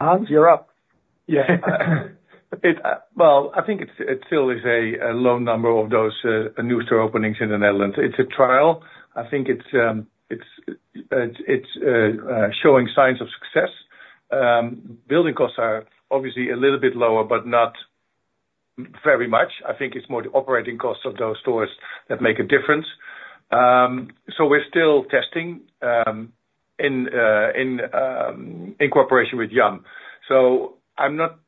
[SPEAKER 2] Hans, you're up. Yeah. Well, I think it still is a low number of those new store openings in the Netherlands. It's a trial. I think it's showing signs of success. Building costs are obviously a little bit lower, but not very much. I think it's more the operating costs of those stores that make a difference. So we're still testing in cooperation with Yum. So I'm not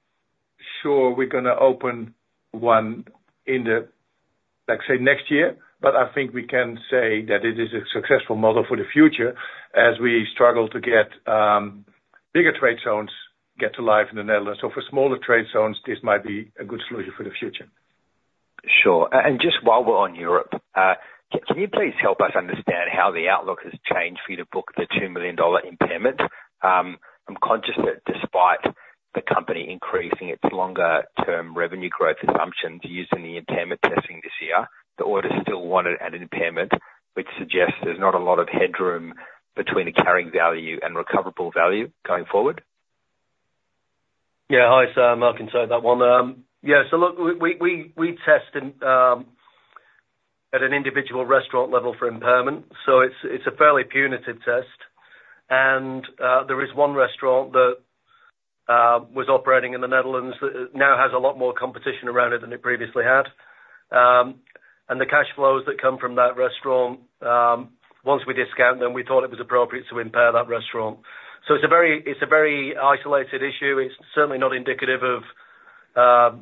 [SPEAKER 2] sure we're going to open one in the, let's say, next year, but I think we can say that it is a successful model for the future as we struggle to get bigger trade zones to get to life in the Netherlands. So for smaller trade zones, this might be a good solution for the future. Sure.
[SPEAKER 10] And just while we're on Europe, can you please help us understand how the outlook has changed for you to book the 2 million dollar impairment? I'm conscious that despite the company increasing its longer-term revenue growth assumptions using the impairment testing this year, the auditors still wanted an impairment, which suggests there's not a lot of headroom between the carrying value and recoverable value going forward.
[SPEAKER 2] Yeah. Hi, Sam. I can say that one. Yeah. So look, we test at an individual restaurant level for impairment. So it's a fairly punitive test. And there is one restaurant that was operating in the Netherlands that now has a lot more competition around it than it previously had. And the cash flows that come from that restaurant, once we discount them, we thought it was appropriate to impair that restaurant. So it's a very isolated issue. It's certainly not indicative of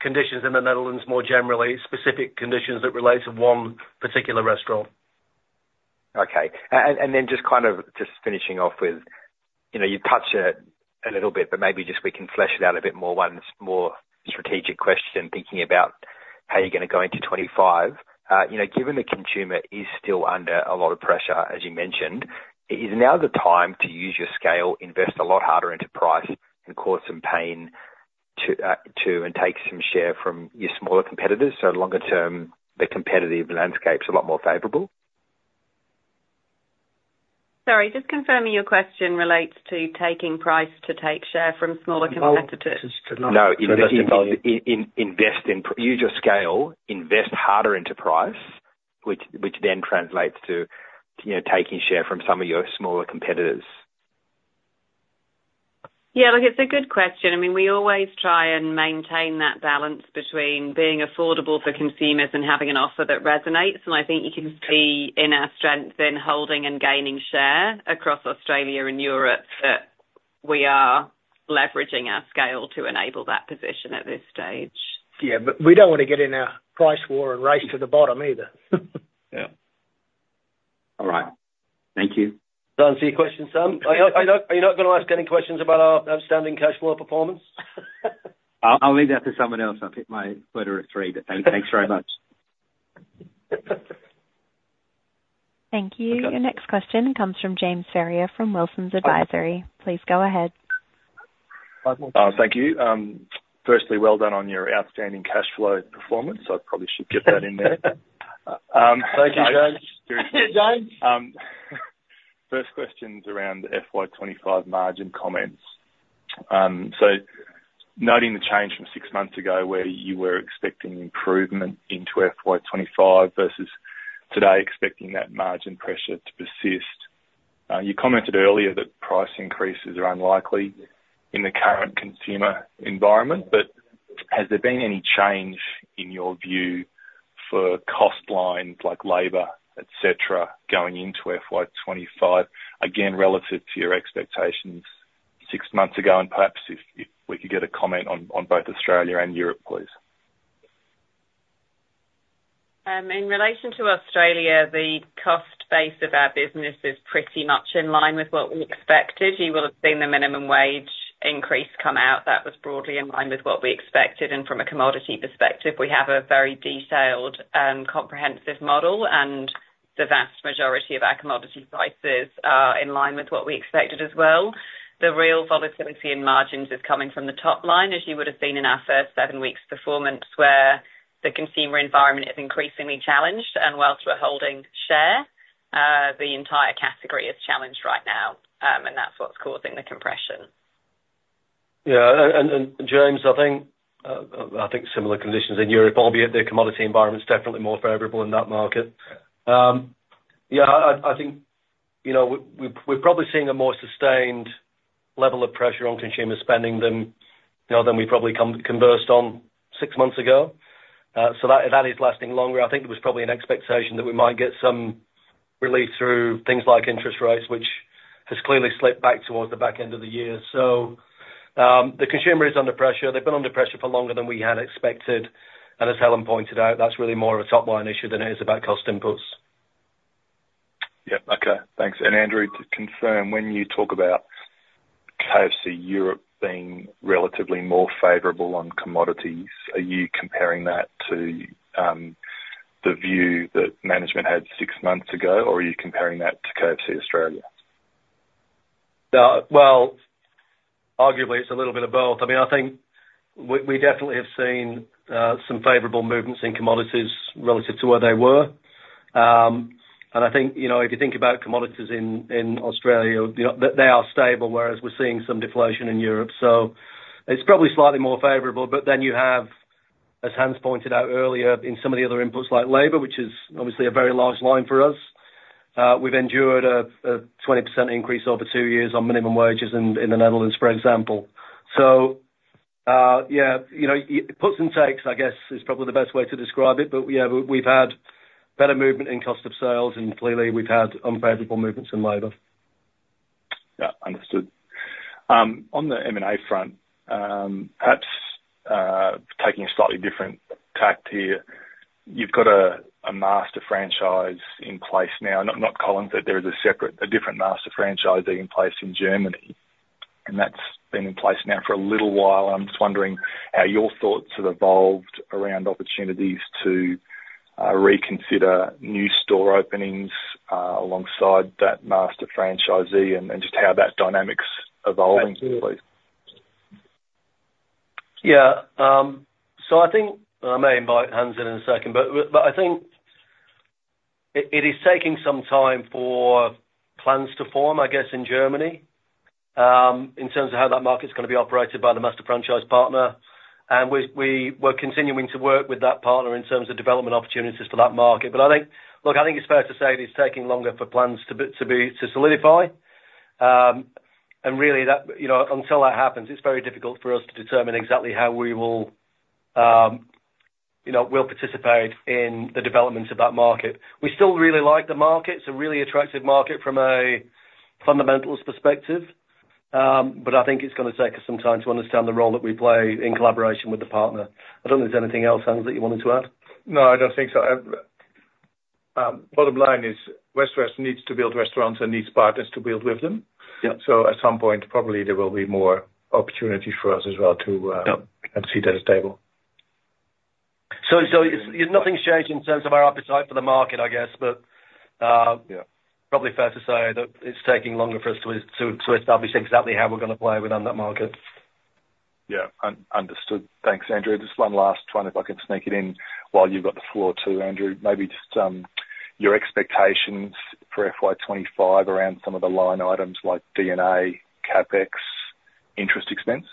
[SPEAKER 2] conditions in the Netherlands more generally, specific conditions that relate to one particular restaurant.
[SPEAKER 10] Okay. And then just kind of just finishing off with, you touched it a little bit, but maybe just we can flesh it out a bit more. One more strategic question thinking about how you're going to go into 2025. Given the consumer is still under a lot of pressure, as you mentioned, is now the time to use your scale, invest a lot harder into price, and cause some pain to take some share from your smaller competitors? So longer term, the competitive landscape is a lot more favorable?
[SPEAKER 5] Sorry, just confirming your question relates to taking price to take share from smaller competitors.
[SPEAKER 10] No, invest in your scale, invest harder into price, which then translates to taking share from some of your smaller competitors. Yeah.
[SPEAKER 5] Look, it's a good question. I mean, we always try and maintain that balance between being affordable for consumers and having an offer that resonates. And I think you can see in our strength in holding and gaining share across Australia and Europe that we are leveraging our scale to enable that position at this stage. Yeah. But we don't want to get in a price war and race to the bottom either.
[SPEAKER 10] Yeah. All right. Thank you.
[SPEAKER 2] Does that answer your question, Sam? Are you not going to ask any questions about our outstanding cash flow performance?
[SPEAKER 10] I'll leave that to someone else. I'll pick my quota of three, but thanks very much.
[SPEAKER 1] Thank you. Your next question comes from James Ferrier from Wilsons Advisory. Please go ahead.
[SPEAKER 11] Thank you. Firstly, well done on your outstanding cash flow performance. I probably should get that in there. Thank you, James. First question is around FY25 margin comments. Noting the change from six months ago where you were expecting improvement into FY25 versus today expecting that margin pressure to persist. You commented earlier that price increases are unlikely in the current consumer environment, but has there been any change in your view for cost lines like labor, etc., going into FY25? Again, relative to your expectations six months ago, and perhaps if we could get a comment on both Australia and Europe, please.
[SPEAKER 5] In relation to Australia, the cost base of our business is pretty much in line with what we expected. You will have seen the minimum wage increase come out. That was broadly in line with what we expected. From a commodity perspective, we have a very detailed and comprehensive model, and the vast majority of our commodity prices are in line with what we expected as well. The real volatility in margins is coming from the top line, as you would have seen in our first 7 weeks' performance, where the consumer environment is increasingly challenged. While we're holding share, the entire category is challenged right now, and that's what's causing the compression.
[SPEAKER 2] Yeah. James, I think similar conditions in Europe, albeit the commodity environment's definitely more favorable in that market. Yeah. I think we're probably seeing a more sustained level of pressure on consumer spending than we probably conversed on 6 months ago. So that is lasting longer. I think there was probably an expectation that we might get some relief through things like interest rates, which has clearly slipped back towards the back end of the year. So the consumer is under pressure. They've been under pressure for longer than we had expected. And as Helen pointed out, that's really more of a top-line issue than it is about cost inputs.
[SPEAKER 11] Yep. Okay. Thanks. And Andrew, to confirm, when you talk about KFC Europe being relatively more favorable on commodities, are you comparing that to the view that management had six months ago, or are you comparing that to KFC Australia?
[SPEAKER 2] Well, arguably, it's a little bit of both. I mean, I think we definitely have seen some favorable movements in commodities relative to where they were. And I think if you think about commodities in Australia, they are stable, whereas we're seeing some deflation in Europe. So it's probably slightly more favorable. But then you have, as Hans pointed out earlier, in some of the other inputs like labor, which is obviously a very large line for us, we've endured a 20% increase over two years on minimum wages in the Netherlands, for example. So yeah, puts and takes, I guess, is probably the best way to describe it. But yeah, we've had better movement in cost of sales, and clearly, we've had unfavorable movements in labor.
[SPEAKER 11] Yeah. Understood. On the M&A front, perhaps taking a slightly different tack here, you've got a master franchise in place now. Not Collins, but there is a different master franchisee in place in Germany, and that's been in place now for a little while. I'm just wondering how your thoughts have evolved around opportunities to reconsider new store openings alongside that master franchisee and just how that dynamic's evolving, please.
[SPEAKER 2] Yeah. So I think I may invite Hans in in a second, but I think it is taking some time for plans to form, I guess, in Germany in terms of how that market's going to be operated by the master franchise partner. And we're continuing to work with that partner in terms of development opportunities for that market. But look, I think it's fair to say it is taking longer for plans to solidify. And really, until that happens, it's very difficult for us to determine exactly how we will participate in the development of that market. We still really like the market. It's a really attractive market from a fundamental perspective, but I think it's going to take us some time to understand the role that we play in collaboration with the partner. I don't think there's anything else, Hans, that you wanted to add.
[SPEAKER 5] No, I don't think so. Bottom line is Yum! needs to build restaurants and needs partners to build with them. So at some point, probably there will be more opportunities for us as well to see that as stable. So nothing's changed in terms of our appetite for the market, I guess, but probably fair to say that it's taking longer for us to establish exactly how we're going to play within that market.
[SPEAKER 11] Yeah. Understood. Thanks, Andrew. Just one last one, if I can sneak it in while you've got the floor too, Andrew, maybe just your expectations for FY25 around some of the line items like D&A, CapEx, interest expense?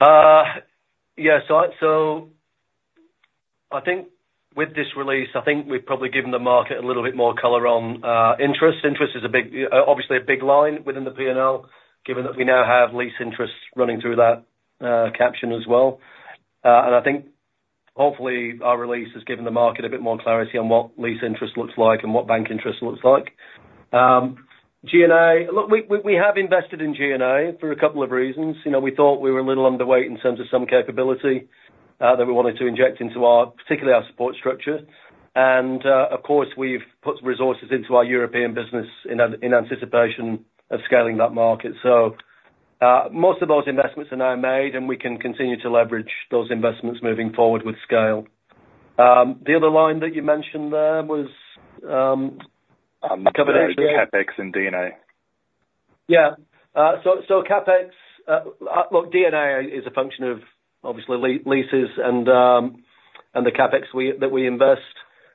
[SPEAKER 3] Yeah. So I think with this release, I think we've probably given the market a little bit more color on interest. Interest is obviously a big line within the P&L, given that we now have lease interest running through that caption as well. And I think hopefully our release has given the market a bit more clarity on what lease interest looks like and what bank interest looks like. Look, we have invested in G&A for a couple of reasons. We thought we were a little underweight in terms of some capability that we wanted to inject into particularly our support structure. And of course, we've put resources into our European business in anticipation of scaling that market. So most of those investments are now made, and we can continue to leverage those investments moving forward with scale. The other line that you mentioned there was a couple of issues. CapEx and D&A. Yeah. So look, D&A is a function of obviously leases and the CapEx that we invest.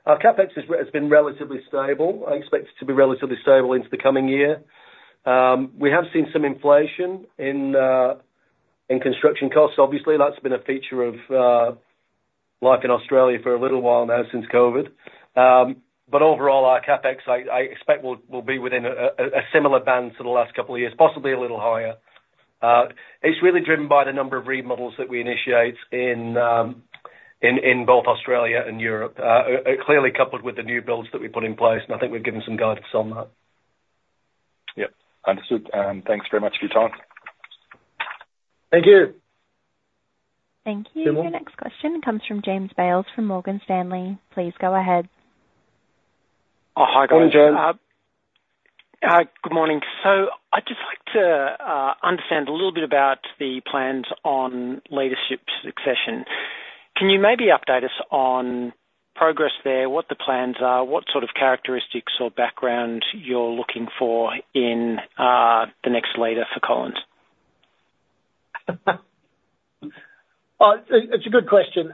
[SPEAKER 3] CapEx has been relatively stable. I expect it to be relatively stable into the coming year. We have seen some inflation in construction costs. Obviously, that's been a feature of life in Australia for a little while now since COVID. But overall, our CapEx, I expect, will be within a similar band to the last couple of years, possibly a little higher. It's really driven by the number of remodels that we initiate in both Australia and Europe, clearly coupled with the new builds that we put in place. And I think we've given some guidance on that. Yep. Understood. And thanks very much for your time. Thank you.
[SPEAKER 1] Thank you. Your next question comes from James Bales from Morgan Stanley. Please go ahead.
[SPEAKER 12] Hi, guys. Morning, James. Hi. Good morning. So I'd just like to understand a little bit about the plans on leadership succession. Can you maybe update us on progress there, what the plans are, what sort of characteristics or background you're looking for in the next leader for Collins?
[SPEAKER 2] It's a good question.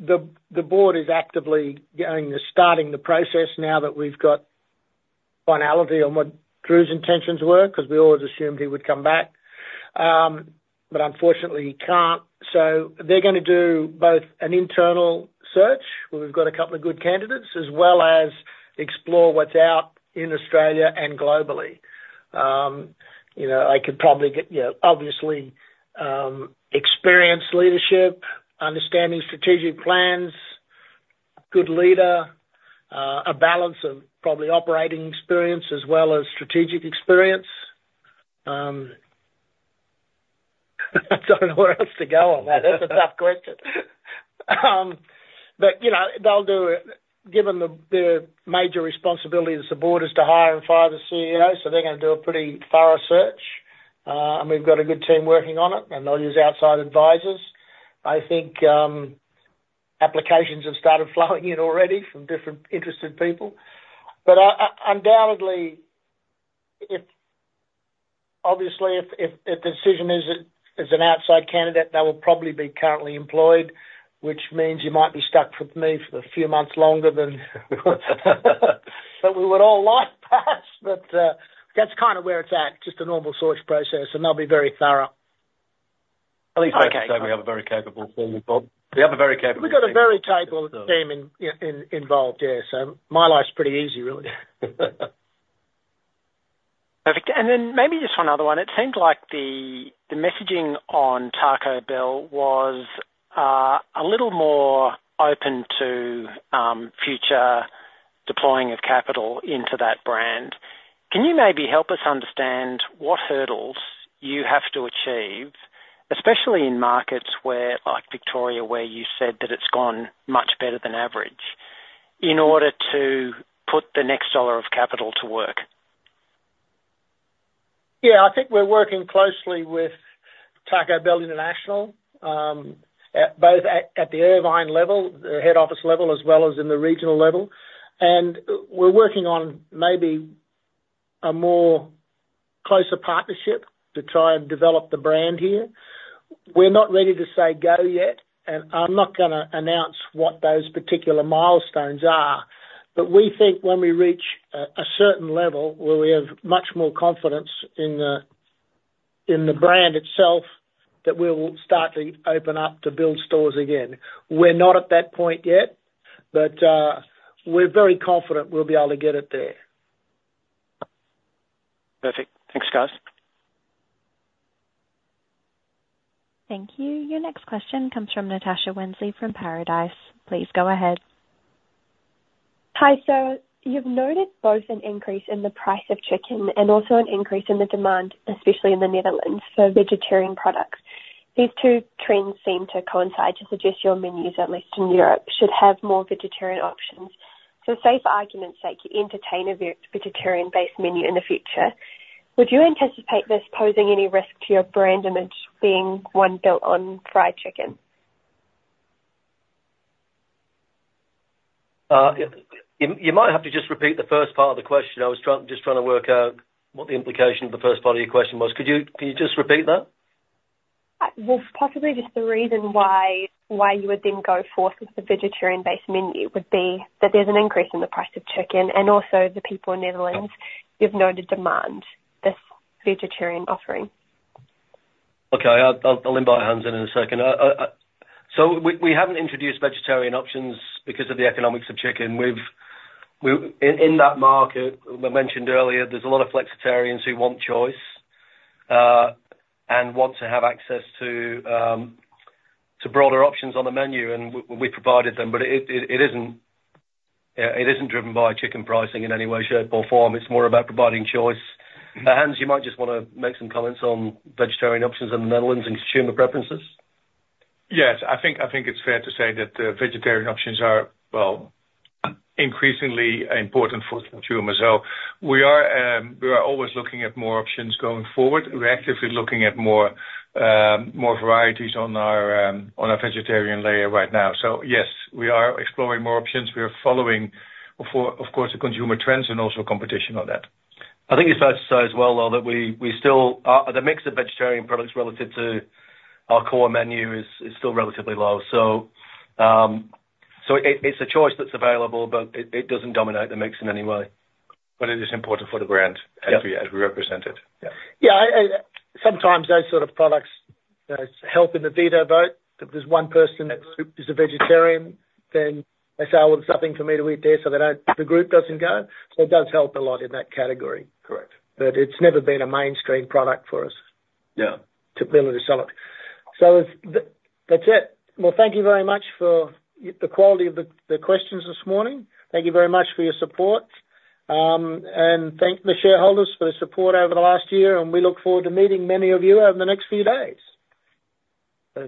[SPEAKER 2] The board is actively starting the process now that we've got finality on what Drew's intentions were because we always assumed he would come back. But unfortunately, he can't. So they're going to do both an internal search where we've got a couple of good candidates as well as explore what's out in Australia and globally. I could probably get, obviously, experienced leadership, understanding strategic plans, good leader, a balance of probably operating experience as well as strategic experience. I don't know where else to go on that. That's a tough question. But they'll do it given the major responsibility of the board's to hire and fire the CEO. So they're going to do a pretty thorough search. And we've got a good team working on it, and they'll use outside advisors. I think applications have started flowing in already from different interested people. But obviously, if the decision is an outside candidate, they will probably be currently employed, which means you might be stuck with me for a few months longer than we would all like. But that's kind of where it's at, just a normal search process. And they'll be very thorough. At least they can say we have a very capable team. We have a very capable team. We've got a very capable team involved, yeah. So my life's pretty easy, really. Perfect. And then maybe just one other one. It seemed like the messaging on Taco Bell was a little more open to future deploying of capital into that brand.
[SPEAKER 12] Can you maybe help us understand what hurdles you have to achieve, especially in markets like Victoria, where you said that it's gone much better than average, in order to put the next dollar of capital to work?
[SPEAKER 3] Yeah. I think we're working closely with Taco Bell International, both at the Irvine level, the head office level, as well as in the regional level. And we're working on maybe a more closer partnership to try and develop the brand here. We're not ready to say go yet, and I'm not going to announce what those particular milestones are. But we think when we reach a certain level where we have much more confidence in the brand itself that we'll start to open up to build stores again. We're not at that point yet, but we're very confident we'll be able to get it there. Perfect. Thanks, guys.
[SPEAKER 1] Thank you. Your next question comes from Natasha Winsley from Paradice. Please go ahead.
[SPEAKER 13] Hi. So you've noted both an increase in the price of chicken and also an increase in the demand, especially in the Netherlands, for vegetarian products. These two trends seem to coincide to suggest your menus, at least in Europe, should have more vegetarian options. For the sake of argument, you entertain a vegetarian-based menu in the future. Would you anticipate this posing any risk to your brand image, being one built on fried chicken?
[SPEAKER 2] You might have to just repeat the first part of the question. I was just trying to work out what the implication of the first part of your question was. Can you just repeat that?
[SPEAKER 13] Well, possibly just the reason why you would then go forth with the vegetarian-based menu would be that there's an increase in the price of chicken and also the people in the Netherlands. You've noted demand, this vegetarian offering.
[SPEAKER 2] Okay. I'll invite Hans in in a second. So we haven't introduced vegetarian options because of the economics of chicken. In that market, we mentioned earlier, there's a lot of flexitarians who want choice and want to have access to broader options on the menu, and we've provided them. But it isn't driven by chicken pricing in any way, shape, or form. It's more about providing choice. Hans, you might just want to make some comments on vegetarian options in the Netherlands and consumer preferences?
[SPEAKER 5] Yes. I think it's fair to say that the vegetarian options are, well, increasingly important for consumers. So we are always looking at more options going forward. We're actively looking at more varieties on our vegetarian layer right now. So yes, we are exploring more options. We are following, of course, the consumer trends and also competition on that. I think it's fair to say as well, though, that the mix of vegetarian products relative to our core menu is still relatively low. So it's a choice that's available, but it doesn't dominate the mix in any way. But it is important for the brand as we represent it.
[SPEAKER 2] Yeah. Sometimes those sort of products help in the veto vote. If there's one person who is a vegetarian, then they say, "Well, there's nothing for me to eat there," so the group doesn't go. So it does help a lot in that category. But it's never been a mainstream product for us to be able to sell it. So that's it. Well, thank you very much for the quality of the questions this morning. Thank you very much for your support. And thank the shareholders for the support over the last year. And we look forward to meeting many of you over the next few days.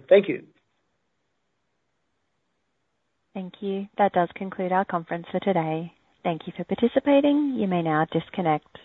[SPEAKER 2] Thank you.
[SPEAKER 1] Thank you. That does conclude our conference for today. Thank you for participating. You may now disconnect.